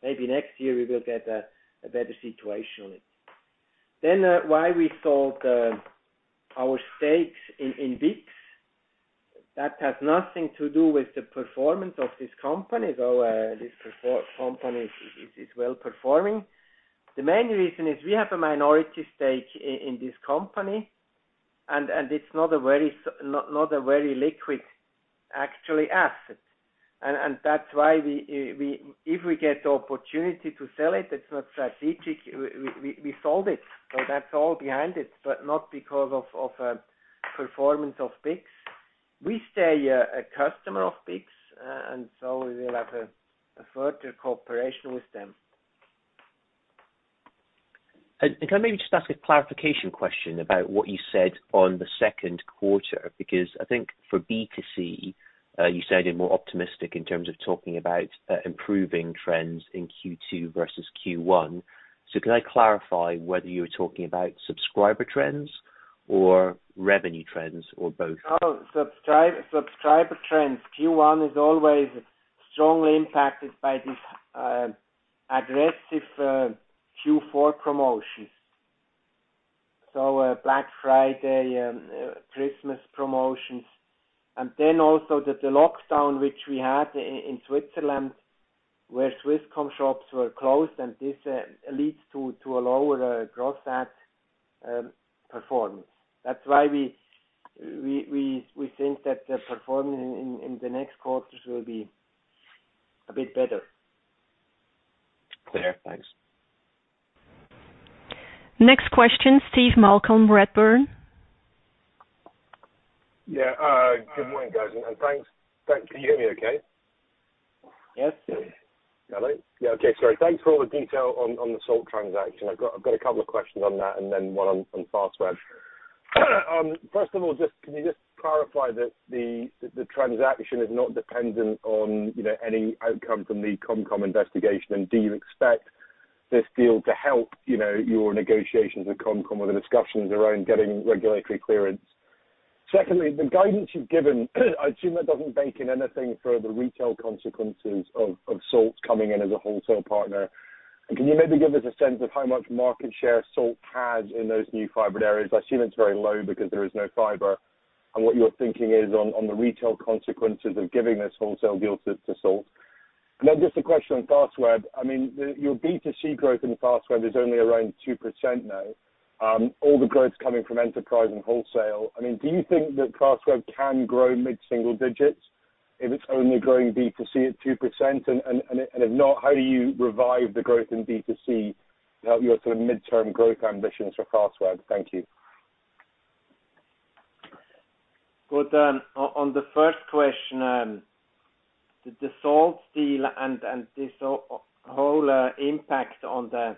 Maybe next year we will get a better situation on it. Why we sold our stakes in BICS. That has nothing to do with the performance of this company, though this company is well-performing. The main reason is we have a minority stake in this company, and it's not a very liquid actually asset. That's why if we get the opportunity to sell it's not strategic, we sold it. That's all behind it, but not because of performance of BICS. We stay a customer of BICS, we will have a further cooperation with them. Can I maybe just ask a clarification question about what you said on the second quarter? I think for B2C, you sounded more optimistic in terms of talking about improving trends in Q2 versus Q1. Can I clarify whether you were talking about subscriber trends or revenue trends or both? Subscriber trends. Q1 is always strongly impacted by these aggressive Q4 promotions. Black Friday, Christmas promotions, and also the lockdown which we had in Switzerland, where Swisscom shops were closed and this leads to a lower gross add performance. That's why we think that the performance in the next quarters will be a bit better. Clear. Thanks. Next question, Steve Malcolm, Redburn. Yeah. Good morning, guys, and thanks. Can you hear me okay? Yes. Yeah. Okay, sorry. Thanks for all the detail on the Salt transaction. I've got a couple of questions on that and then one on Fastweb. First of all, can you just clarify that the transaction is not dependent on any outcome from the ComCom investigation? Do you expect this deal to help your negotiations with ComCom or the discussions around getting regulatory clearance? Secondly, the guidance you've given, I assume that doesn't bake in anything for the retail consequences of Salt coming in as a wholesale partner. Can you maybe give us a sense of how much market share Salt has in those new fibered areas? I assume it's very low because there is no fiber. What your thinking is on the retail consequences of giving this wholesale deal to Salt. Just a question on Fastweb. I mean, your B2C growth in Fastweb is only around 2% now. All the growth's coming from enterprise and wholesale. Do you think that Fastweb can grow mid-single digits if it's only growing B2C at 2%? If not, how do you revive the growth in B2C to help your midterm growth ambitions for Fastweb? Thank you. Good. On the first question, the Salt deal and this whole impact on the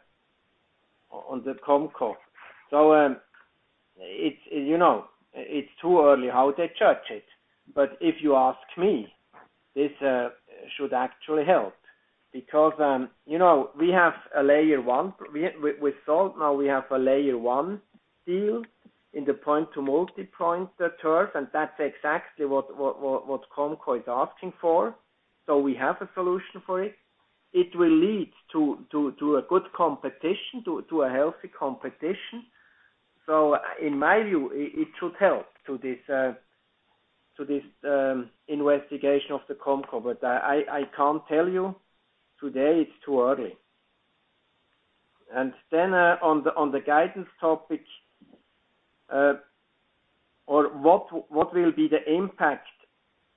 COMCO. It's too early how they judge it. If you ask me, this should actually help because, with Salt now we have a Layer 1 deal in the point-to-multipoint turf, and that's exactly what COMCO is asking for. We have a solution for it. It will lead to a good competition, to a healthy competition. In my view, it should help to this investigation of the COMCO. I can't tell you today, it's too early. On the guidance topic, or what will be the impact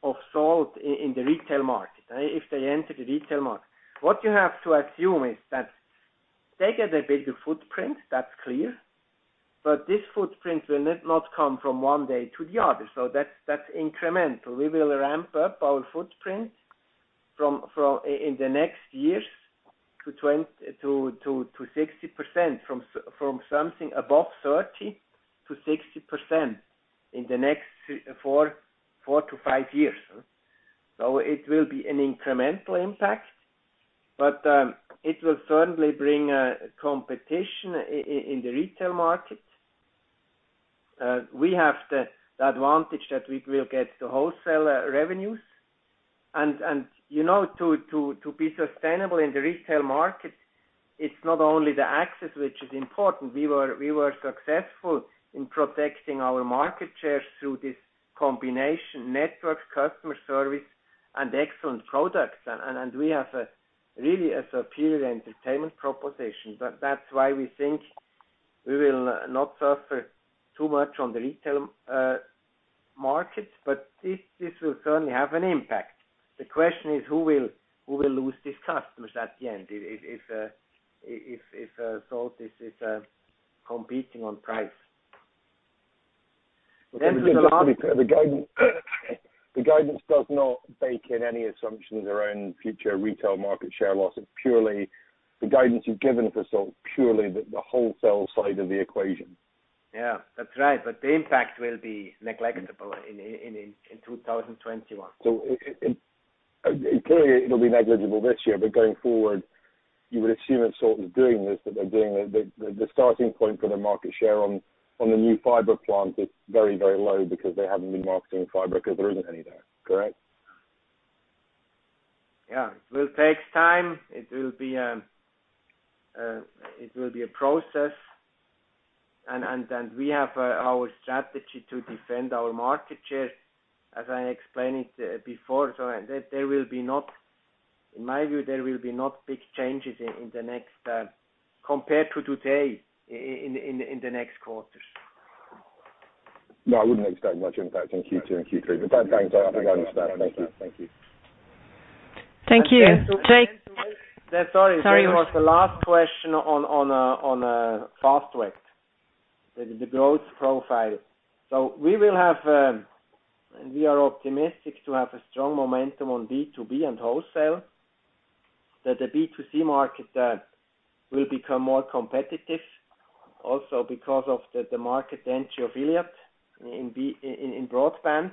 of Salt in the retail market, if they enter the retail market. What you have to assume is that they get a bigger footprint, that's clear, but this footprint will not come from one day to the other. That's incremental. We will ramp up our footprint in the next years to 60%, from something above 30% to 60% in the next four to five years. It will be an incremental impact, but it will certainly bring a competition in the retail market. We have the advantage that we will get the wholesaler revenues. To be sustainable in the retail market, it's not only the access which is important. We were successful in protecting our market share through this combination: networks, customer service, and excellent products. We have really a superior entertainment proposition. That's why we think we will not suffer too much on the retail market, but this will certainly have an impact. The question is, who will lose these customers at the end? If Salt is competing on price. The guidance does not bake in any assumptions around future retail market share loss. It's purely the guidance you've given for Salt, purely the wholesale side of the equation. Yeah, that's right. The impact will be negligible in 2021. Clearly, it'll be negligible this year, but going forward, you would assume that Salt is doing this, that they're doing the starting point for the market share on the new fiber plant is very low because they haven't been marketing fiber because there isn't any there. Correct? Yeah. It will take time. It will be a process. We have our strategy to defend our market share, as I explained it before. In my view, there will be no big changes compared to today in the next quarters. No, I wouldn't expect much impact in Q2 and Q3. Thanks. I got the guidance there. Thank you. Thank you. Sorry. There was the last question on Fastweb, the growth profile. We are optimistic to have a strong momentum on B2B and wholesale. That the B2C market will become more competitive also because of the market entry of Iliad in broadband.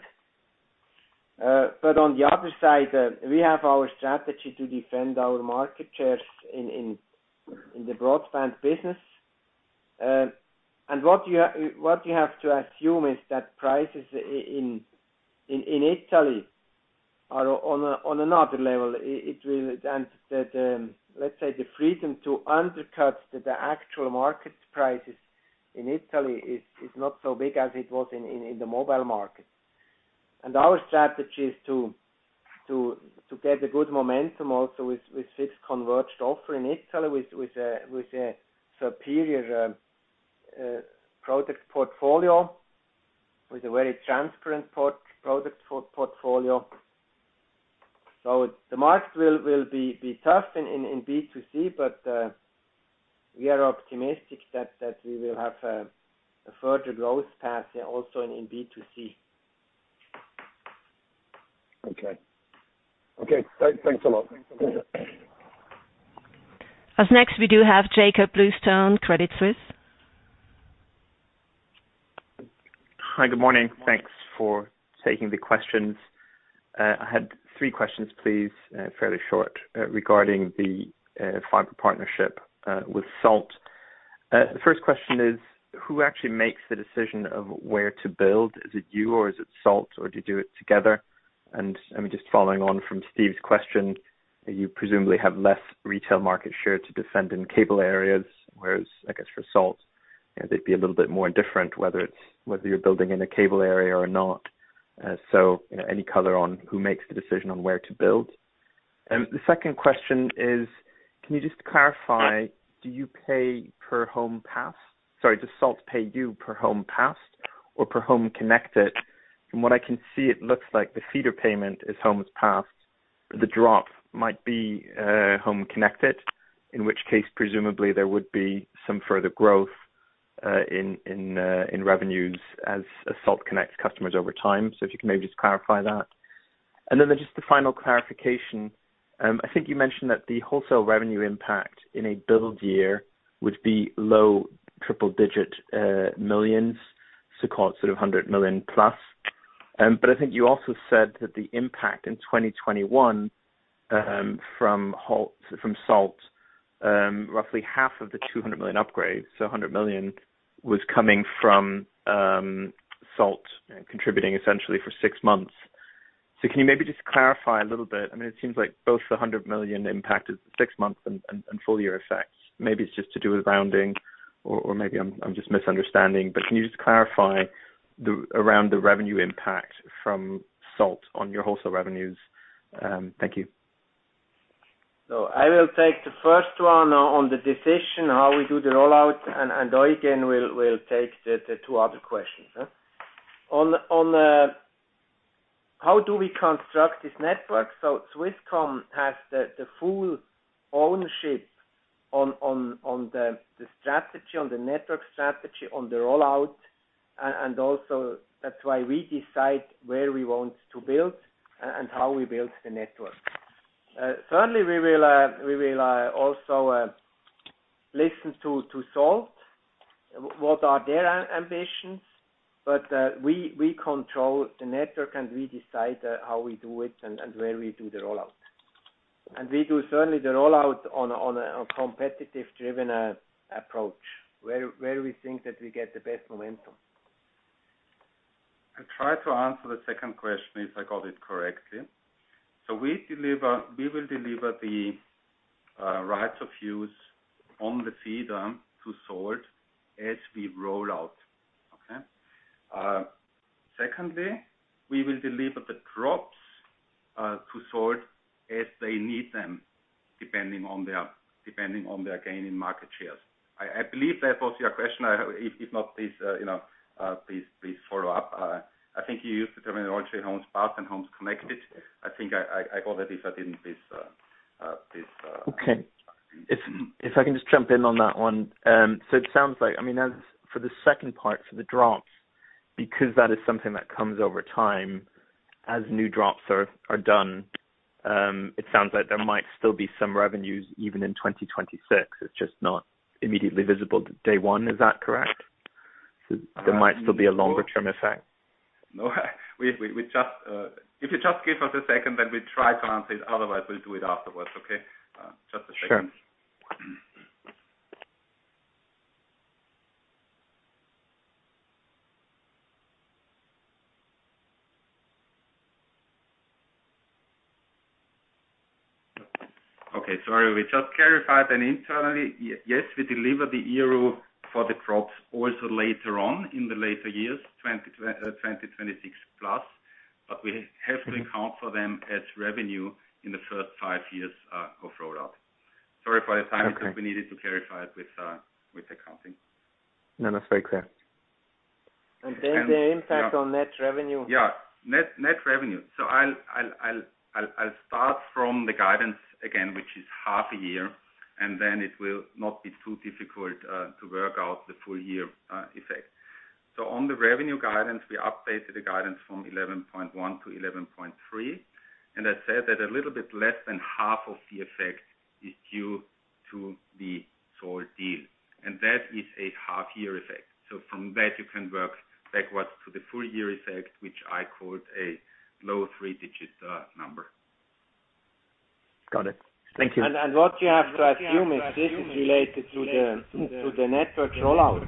On the other side, we have our strategy to defend our market shares in the broadband business. What you have to assume is that prices in Italy are on another level. Let's say the freedom to undercut the actual market prices in Italy is not so big as it was in the mobile market. Our strategy is to get a good momentum also with Swiss converged offer in Italy with a superior product portfolio, with a very transparent product portfolio. The market will be tough in B2C, but we are optimistic that we will have a further growth path also in B2C. Okay. Thanks a lot. Up next, we do have Jakob Bluestone, Credit Suisse. Hi, good morning. Thanks for taking the questions. I had three questions, please, fairly short regarding the fiber partnership with Salt. First question is, who actually makes the decision of where to build? Is it you or is it Salt, or do you do it together? Just following on from Steve's question, you presumably have less retail market share to defend in cable areas, whereas, I guess for Salt, they'd be a little bit more indifferent whether you're building in a cable area or not. Any color on who makes the decision on where to build? The second question is, can you just clarify, does Salt pay you per home passed or per home connected? From what I can see, it looks like the feeder payment is homes passed. The drop might be home connected, in which case, presumably there would be some further growth in revenues as Salt connects customers over time. If you can maybe just clarify that. The final clarification. I think you mentioned that the wholesale revenue impact in a build year would be CHF low triple-digit millions. Call it sort of 100 million plus. I think you also said that the impact in 2021 from Salt roughly half of the 200 million upgrades. 100 million was coming from Salt contributing essentially for six months. Can you maybe just clarify a little bit? It seems like both the 100 million impact is the six-month and full-year effects. Maybe it's just to do with rounding or maybe I'm just misunderstanding. Can you just clarify around the revenue impact from Salt on your wholesale revenues? Thank you. I will take the first one on the decision, how we do the rollout, and Eugen will take the two other questions. On how do we construct this network? Swisscom has the full ownership on the network strategy, on the rollout, and also that's why we decide where we want to build and how we build the network. Certainly, we will also listen to Salt, what are their ambitions? We control the network, and we decide how we do it and where we do the rollout. We do certainly the rollout on a competitive-driven approach, where we think that we get the best momentum. I try to answer the second question, if I got it correctly. We will deliver the rights of use on the feeder to Salt as we roll out. Okay? Secondly, we will deliver the drops to Salt as they need them, depending on their gain in market shares. I believe that was your question. If not, please follow up. I think you used the terminology homes passed and homes connected. I think I got it. Okay, if I can just jump in on that one. It sounds like, for the second part, for the drops, because that is something that comes over time as new drops are done, it sounds like there might still be some revenues even in 2026. It's just not immediately visible day one. Is that correct? There might still be a longer-term effect. No. If you just give us a second, then we try to answer it. Otherwise, we'll do it afterwards, okay? Just a second. Sure. Okay. Sorry, we just clarified internally. Yes, we deliver the IRU for the drops also later on in the later years, 2026+, but we have to account for them as revenue in the first five years of rollout. Sorry for the silence. Okay because we needed to clarify it with accounting. No, that's very clear. The impact on net revenue. Yeah. Net revenue. I'll start from the guidance again, which is half a year, and then it will not be too difficult to work out the full-year effect. On the revenue guidance, we updated the guidance from 11.1-11.3, and that said that a little bit less than half of the effect is due to the Salt deal, and that is a half-year effect. From that, you can work backwards to the full-year effect, which I called a low three-digit number. Got it. Thank you. What you have to assume is this is related to the network rollout.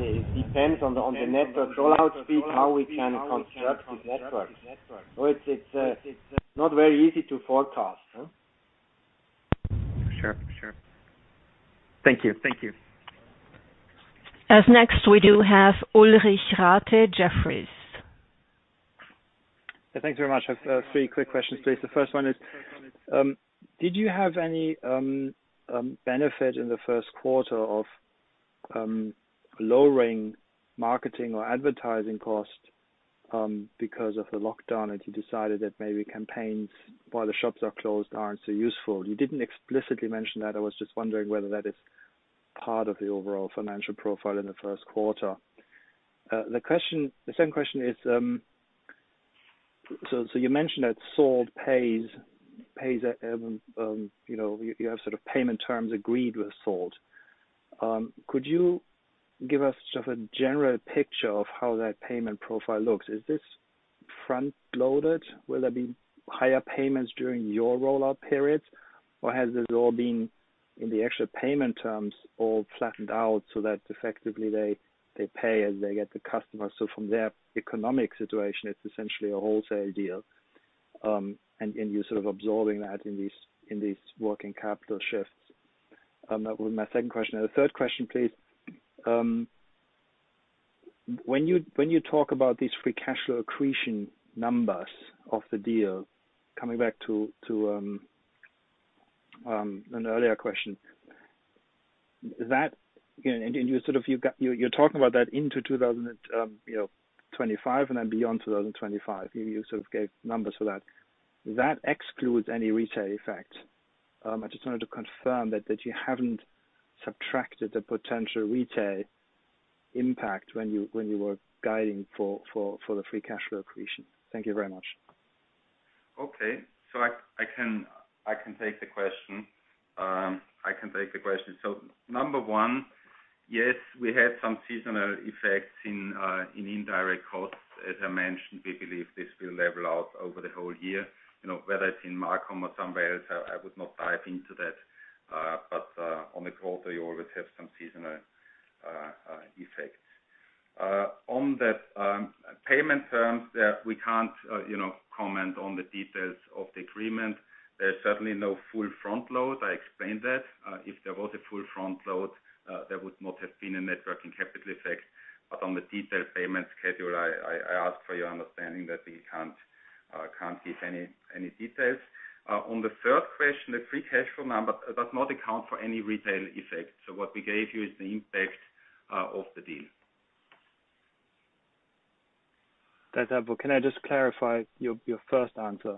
It depends on the network rollout speed, how we can construct the network. It's not very easy to forecast. Sure. Thank you. As next, we do have Ulrich Rathe, Jefferies. Thanks very much. I have three quick questions, please. The first one is, did you have any benefit in the first quarter of lowering marketing or advertising cost because of the lockdown, and you decided that maybe campaigns while the shops are closed aren't so useful? You didn't explicitly mention that. I was just wondering whether that is part of the overall financial profile in the first quarter. The second question is, you mentioned that you have payment terms agreed with Salt. Could you give us just a general picture of how that payment profile looks? Is this front-loaded? Will there be higher payments during your rollout periods, or has this all been in the actual payment terms all flattened out so that effectively they pay as they get the customers? From their economic situation, it's essentially a wholesale deal, and you're sort of absorbing that in these working capital shifts. That was my second question. The third question, please. When you talk about these free cash flow accretion numbers of the deal, coming back to an earlier question. You're talking about that into 2025 and then beyond 2025. You sort of gave numbers for that. That excludes any retail effect. I just wanted to confirm that you haven't subtracted the potential retail impact when you were guiding for the free cash flow accretion. Thank you very much. Okay. I can take the question. Number one, yes, we had some seasonal effects in indirect costs. As I mentioned, we believe this will level out over the whole year. Whether it's in MarCom or somewhere else, I would not dive into that. On the quarter, you always have some seasonal effects. On the payment terms, we can't comment on the details of the agreement. There's certainly no full front load. I explained that. If there was a full front load, there would not have been a net working capital effect. On the detailed payment schedule, I ask for your understanding that we can't give any details. On the third question, the free cash flow number does not account for any retail effect. What we gave you is the impact of the deal. That's helpful. Can I just clarify your first answer?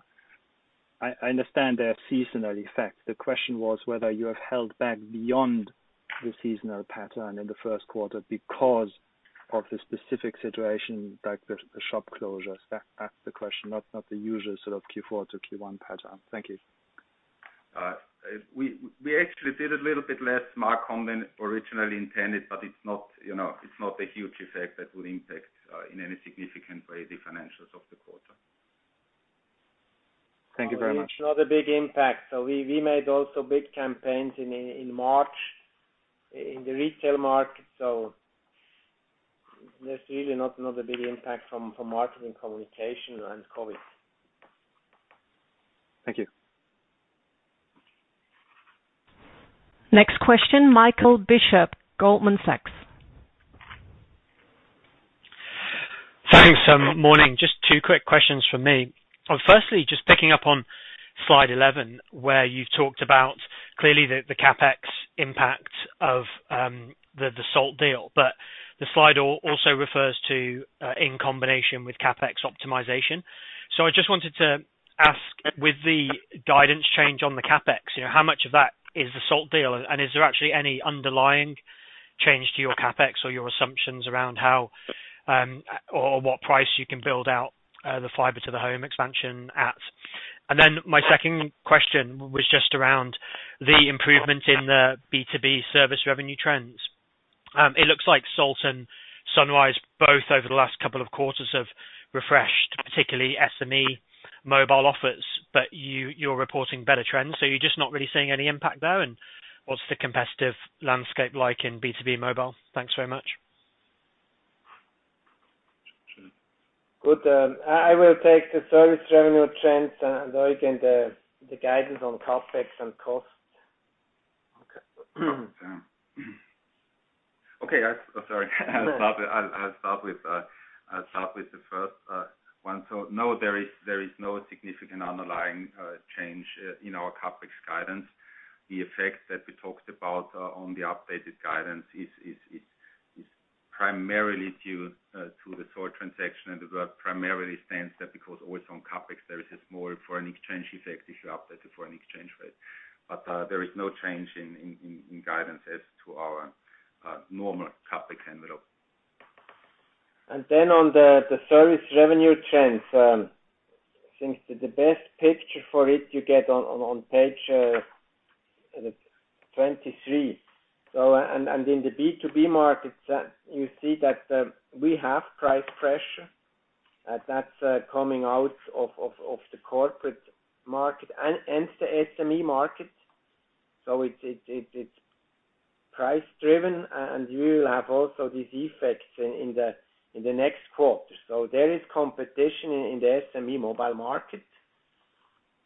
I understand there are seasonal effects. The question was whether you have held back beyond the seasonal pattern in the first quarter because of the specific situation like the shop closures. That's the question, not the usual sort of Q4 to Q1 pattern. Thank you. We actually did a little bit less MarCom than originally intended. It's not a huge effect that would impact, in any significant way, the financials of the quarter. Thank you very much. It's not a big impact. We made also big campaigns in March in the retail market. There's really not another big impact from marketing communication and COVID. Thank you. Next question, Michael Bishop, Goldman Sachs. Thanks. Morning. Just two quick questions from me. Firstly, just picking up on slide 11, where you've talked about clearly the CapEx impact of the Salt deal. The slide also refers to in combination with CapEx optimization. I just wanted to ask, with the guidance change on the CapEx, how much of that is the Salt deal? Is there actually any underlying change to your CapEx or your assumptions around how or what price you can build out the fiber to the home expansion at? My second question was just around the improvement in the B2B service revenue trends. It looks like Salt and Sunrise both over the last couple of quarters have refreshed, particularly SME mobile offers, you're reporting better trends. You're just not really seeing any impact there? What's the competitive landscape like in B2B mobile? Thanks very much. Good. I will take the service revenue trends, and Eugen the guidance on CapEx and costs. Okay. Sorry. I'll start with the first one. No, there is no significant underlying change in our CapEx guidance. The effect that we talked about on the updated guidance is primarily due to the Salt transaction, and that primarily stems that because also on CapEx, there is a small foreign exchange effect if you update the foreign exchange rate. There is no change in guidance as to our normal CapEx envelope. On the service revenue trends, I think the best picture for it you get on page 23. In the B2B markets, you see that we have price pressure, that's coming out of the corporate market and the SME market. It's price-driven, and we will have also these effects in the next quarter. There is competition in the SME mobile market.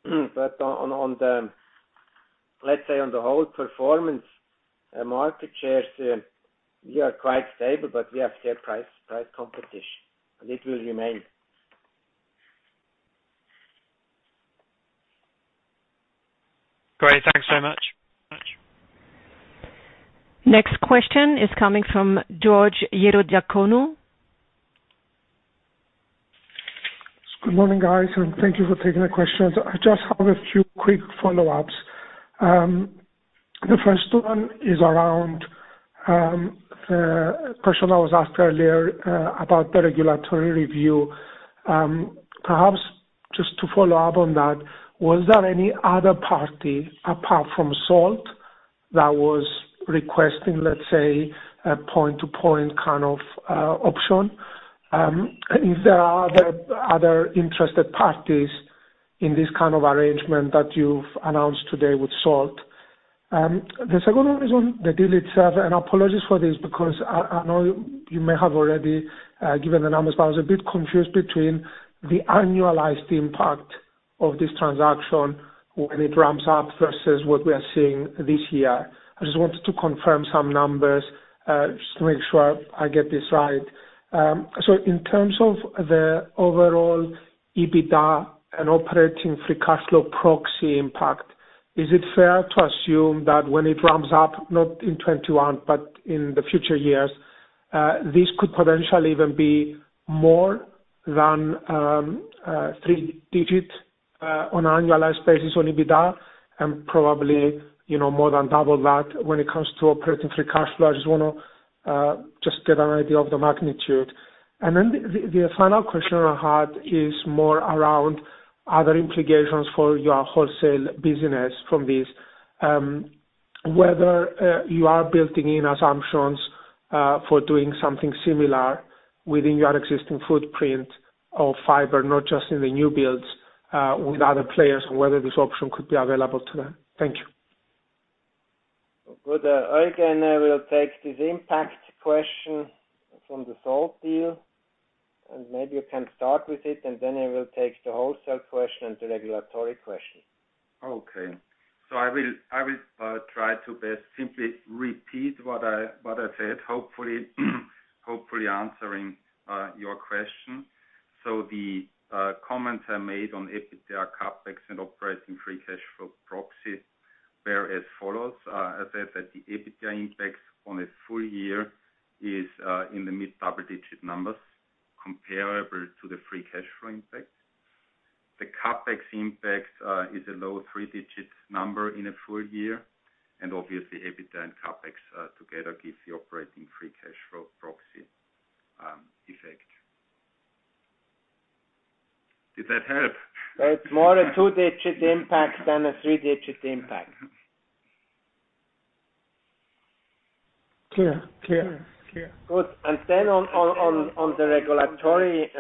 Let's say on the whole performance market shares, we are quite stable, we have still price competition and it will remain. Great. Thanks very much. Next question is coming from George Ierodiaconou. Good morning, guys, and thank you for taking the questions. I just have a few quick follow-ups. The first one is around the question that was asked earlier about the regulatory review. Perhaps just to follow up on that, was there any other party apart from Salt that was requesting, let's say, a point-to-point kind of option? Is there other interested parties in this kind of arrangement that you've announced today with Salt? The second one is on the deal itself, and apologies for this because I know you may have already given the numbers, but I was a bit confused between the annualized impact of this transaction when it ramps up versus what we are seeing this year. I just wanted to confirm some numbers, just to make sure I get this right. In terms of the overall EBITDA and operating free cash flow proxy impact, is it fair to assume that when it ramps up, not in 2021, but in the future years, this could potentially even be more than three-digit, on an annualized basis on EBITDA and probably more than double that when it comes to operating free cash flow? I just want to get an idea of the magnitude. The final question I had is more around other implications for your wholesale business from this, whether you are building in assumptions for doing something similar within your existing footprint of fiber, not just in the new builds, with other players, and whether this option could be available to them. Thank you. Good. Eugen and I will take this impact question from the Salt deal. Maybe you can start with it. Then I will take the wholesale question and the regulatory question. Okay. I will try to best simply repeat what I said, hopefully answering your question. The comments I made on EBITDA, CapEx and operating free cash flow proxy were as follows. I said that the EBITDA impact on a full-year is in the mid double-digit numbers comparable to the free cash flow impact. The CapEx impact is a low three-digit number in a full-year, and obviously EBITDA and CapEx together give the operating free cash flow proxy effect. Did that help? It's more a two-digit impact than a three-digit impact. Clear. Good. On the regulatory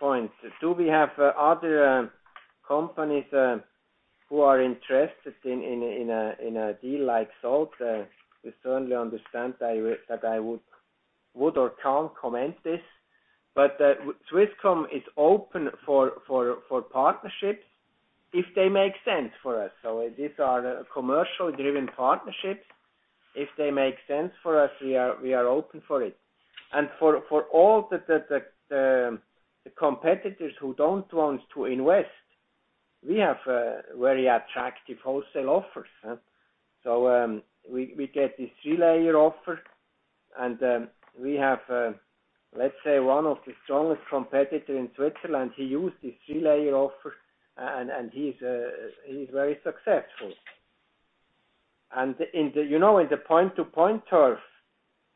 points, do we have other companies who are interested in a deal like Salt? We certainly understand that I would or can't comment this, Swisscom is open for partnerships if they make sense for us. These are commercial-driven partnerships. If they make sense for us, we are open for it. For all the competitors who don't want to invest, we have a very attractive wholesale offer. We get this three-layer offer, and we have, let's say, one of the strongest competitor in Switzerland. He used this three-layer offer, and he's very successful. In the point-to-point turf,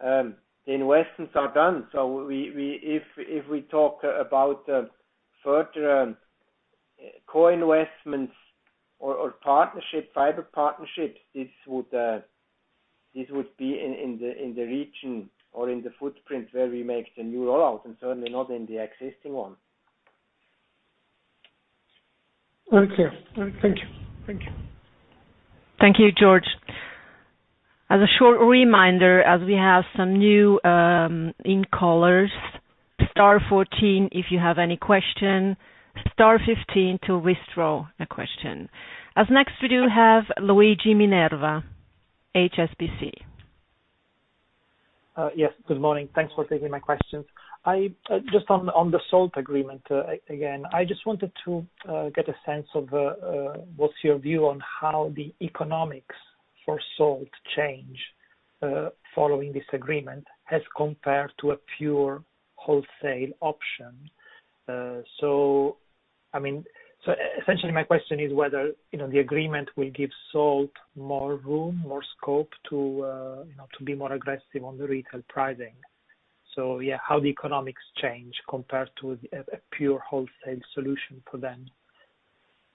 the investments are done. If we talk about further co-investments or fiber partnerships, this would be in the region or in the footprint where we make the new rollout and certainly not in the existing one. Okay. Thank you. Thank you, George. As a short reminder, as we have some new in-callers, star 14, if you have any question, star 15 to withdraw a question. Next we do have Luigi Minerva, HSBC. Yes, good morning. Thanks for taking my questions. Just on the Salt agreement, again, I just wanted to get a sense of what's your view on how the economics for Salt change following this agreement as compared to a pure wholesale option. Essentially my question is whether the agreement will give Salt more room, more scope to be more aggressive on the retail pricing. Yeah, how the economics change compared to a pure wholesale solution for them.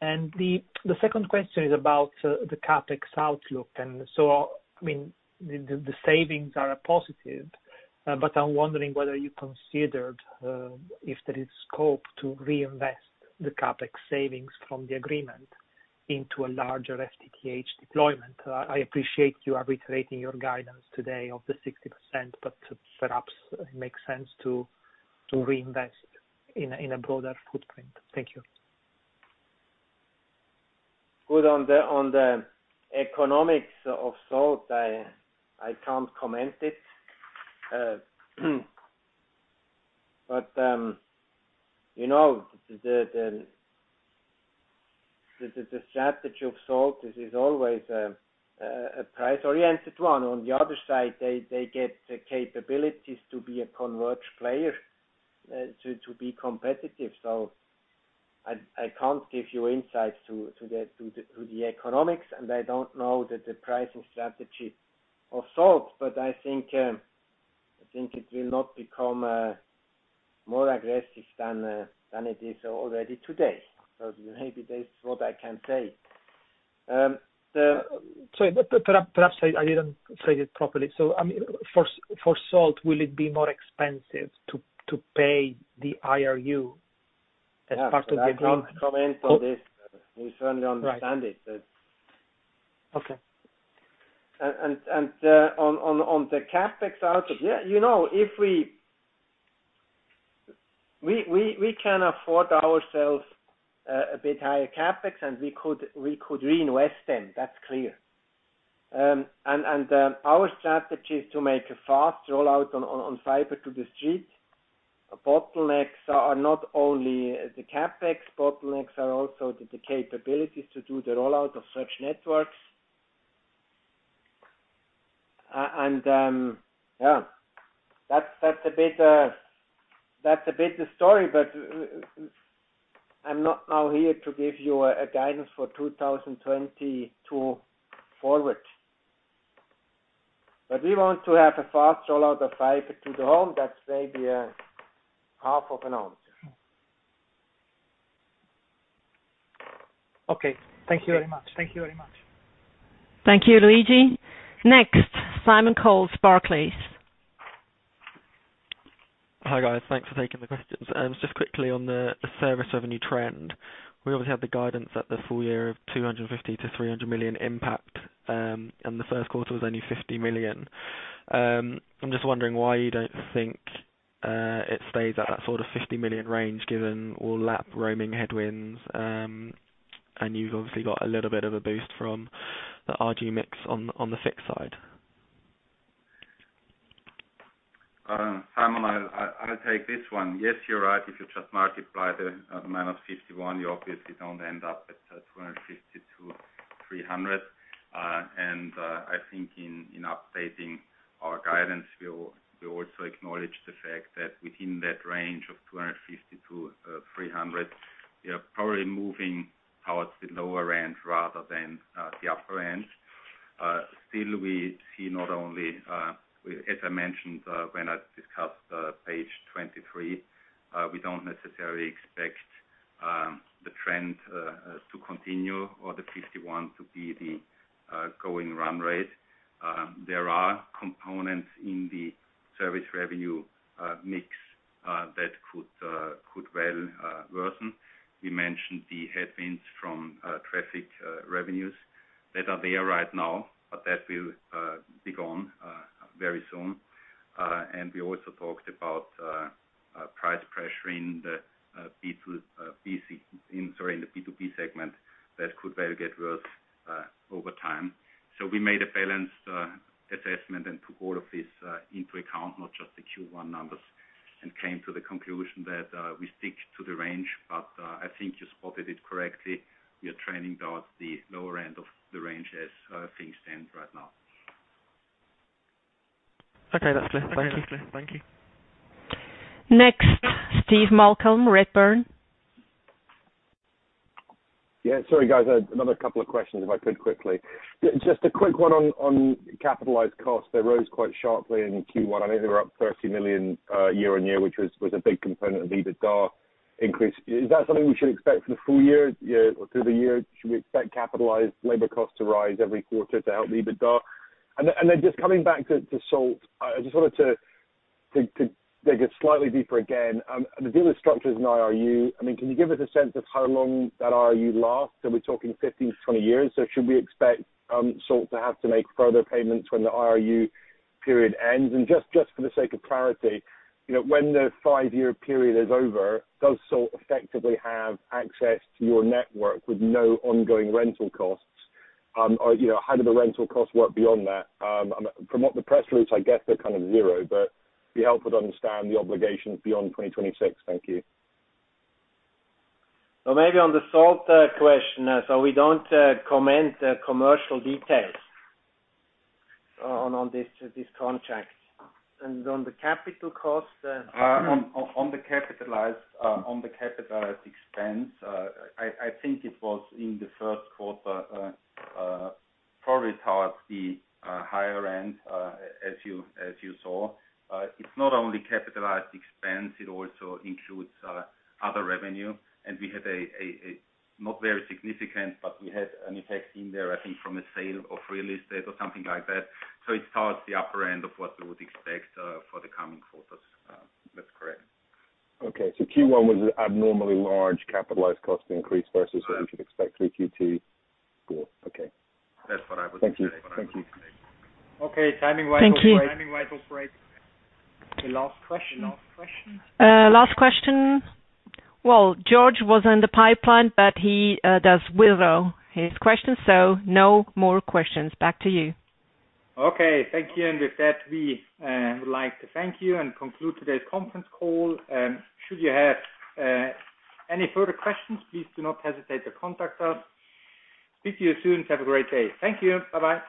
The second question is about the CapEx outlook. The savings are a positive, but I'm wondering whether you considered if there is scope to reinvest the CapEx savings from the agreement into a larger FTTH deployment. I appreciate you are reiterating your guidance today of the 60%, but perhaps it makes sense to reinvest in a broader footprint. Thank you. Good. On the economics of Salt, I can't comment it. The strategy of Salt, this is always a price-oriented one. On the other side, they get the capabilities to be a converged player, to be competitive. I can't give you insights to the economics, and I don't know that the pricing strategy of Salt, but I think it will not become more aggressive than it is already today. Maybe that's what I can say. Sorry, perhaps I didn't say it properly. For Salt, will it be more expensive to pay the IRU as part of the agreement? Yeah. I can't comment on this. You certainly understand it. Okay. On the CapEx outlook, we can afford ourselves a bit higher CapEx, and we could reinvest them. That's clear. Our strategy is to make a fast rollout on fiber to the street. Bottlenecks are not only the CapEx. Bottlenecks are also the capabilities to do the rollout of such networks. Yeah. That's a bit the story, but I'm not now here to give you a guidance for 2022 forward. We want to have a fast rollout of fiber to the home. That's maybe a half of an answer. Okay. Thank you very much. Thank you, Luigi. Next, Simon Coles, Barclays. Hi, guys. Thanks for taking the questions. Just quickly on the service revenue trend. We obviously have the guidance that the full year of 250 million-300 million impact, and the first quarter was only 50 million. I'm just wondering why you don't think it stays at that sort of 50 million range given all lap roaming headwinds, and you've obviously got a little bit of a boost from the RGU mix on the fixed side. Simon, I'll take this one. Yes, you are right. If you just multiply the -51, you obviously don't end up at 250-300. I think in updating our guidance, we also acknowledge the fact that within that range of 250-300, we are probably moving towards the lower range rather than the upper end. Still, we see not only, as I mentioned when I discussed page 23, we don't necessarily expect the trend to continue or the 51 to be the going run rate. There are components in the service revenue mix that could well worsen. We mentioned the headwinds from traffic revenues that are there right now, but that will be gone very soon. We also talked about price pressure in the B2C. Sorry, in the B2B segment. That could very get worse over time. We made a balanced assessment and took all of this into account, not just the Q1 numbers, and came to the conclusion that we stick to the range, but I think you spotted it correctly. We are trending towards the lower end of the range as things stand right now. Okay. That's clear. Thank you. Next, Steve Malcolm, Redburn. Yeah. Sorry, guys. Another couple of questions, if I could quickly. Just a quick one on capitalized costs. They rose quite sharply in Q1. I know they were up 30 million year-on-year, which was a big component of EBITDA increase. Is that something we should expect for the full year or through the year? Should we expect capitalized labor costs to rise every quarter to help EBITDA? Just coming back to Salt, I just wanted to dig a slightly deeper again. The deal is structured as an IRU. Can you give us a sense of how long that IRU lasts? Are we talking 15-20 years? Should we expect Salt to have to make further payments when the IRU period ends? Just for the sake of clarity, when the five-year period is over, does Salt effectively have access to your network with no ongoing rental costs? How do the rental costs work beyond that? From what the press release, I guess they're kind of zero, but be helpful to understand the obligations beyond 2026. Thank you. Maybe on the Salt question, we don't comment commercial details on this contract. On the capitalized expense, I think it was in the first quarter, probably towards the higher end, as you saw. It's not only capitalized expense, it also includes other revenue. We had a not very significant, but we had an effect in there, I think, from a sale of real estate or something like that. It starts the upper end of what we would expect for the coming quarters. That's correct. Okay. Q1 was abnormally large capitalized cost increase versus what we should expect through Q2. Cool. Okay. That's what I would say. Thank you. Okay. Timing-wise will break. Thank you. The last question. Last question. Well, George was in the pipeline, but he does withdraw his question, so no more questions. Back to you. Okay, thank you. With that, we would like to thank you and conclude today's conference call. Should you have any further questions, please do not hesitate to contact us. Speak to you soon. Have a great day. Thank you. Bye-bye.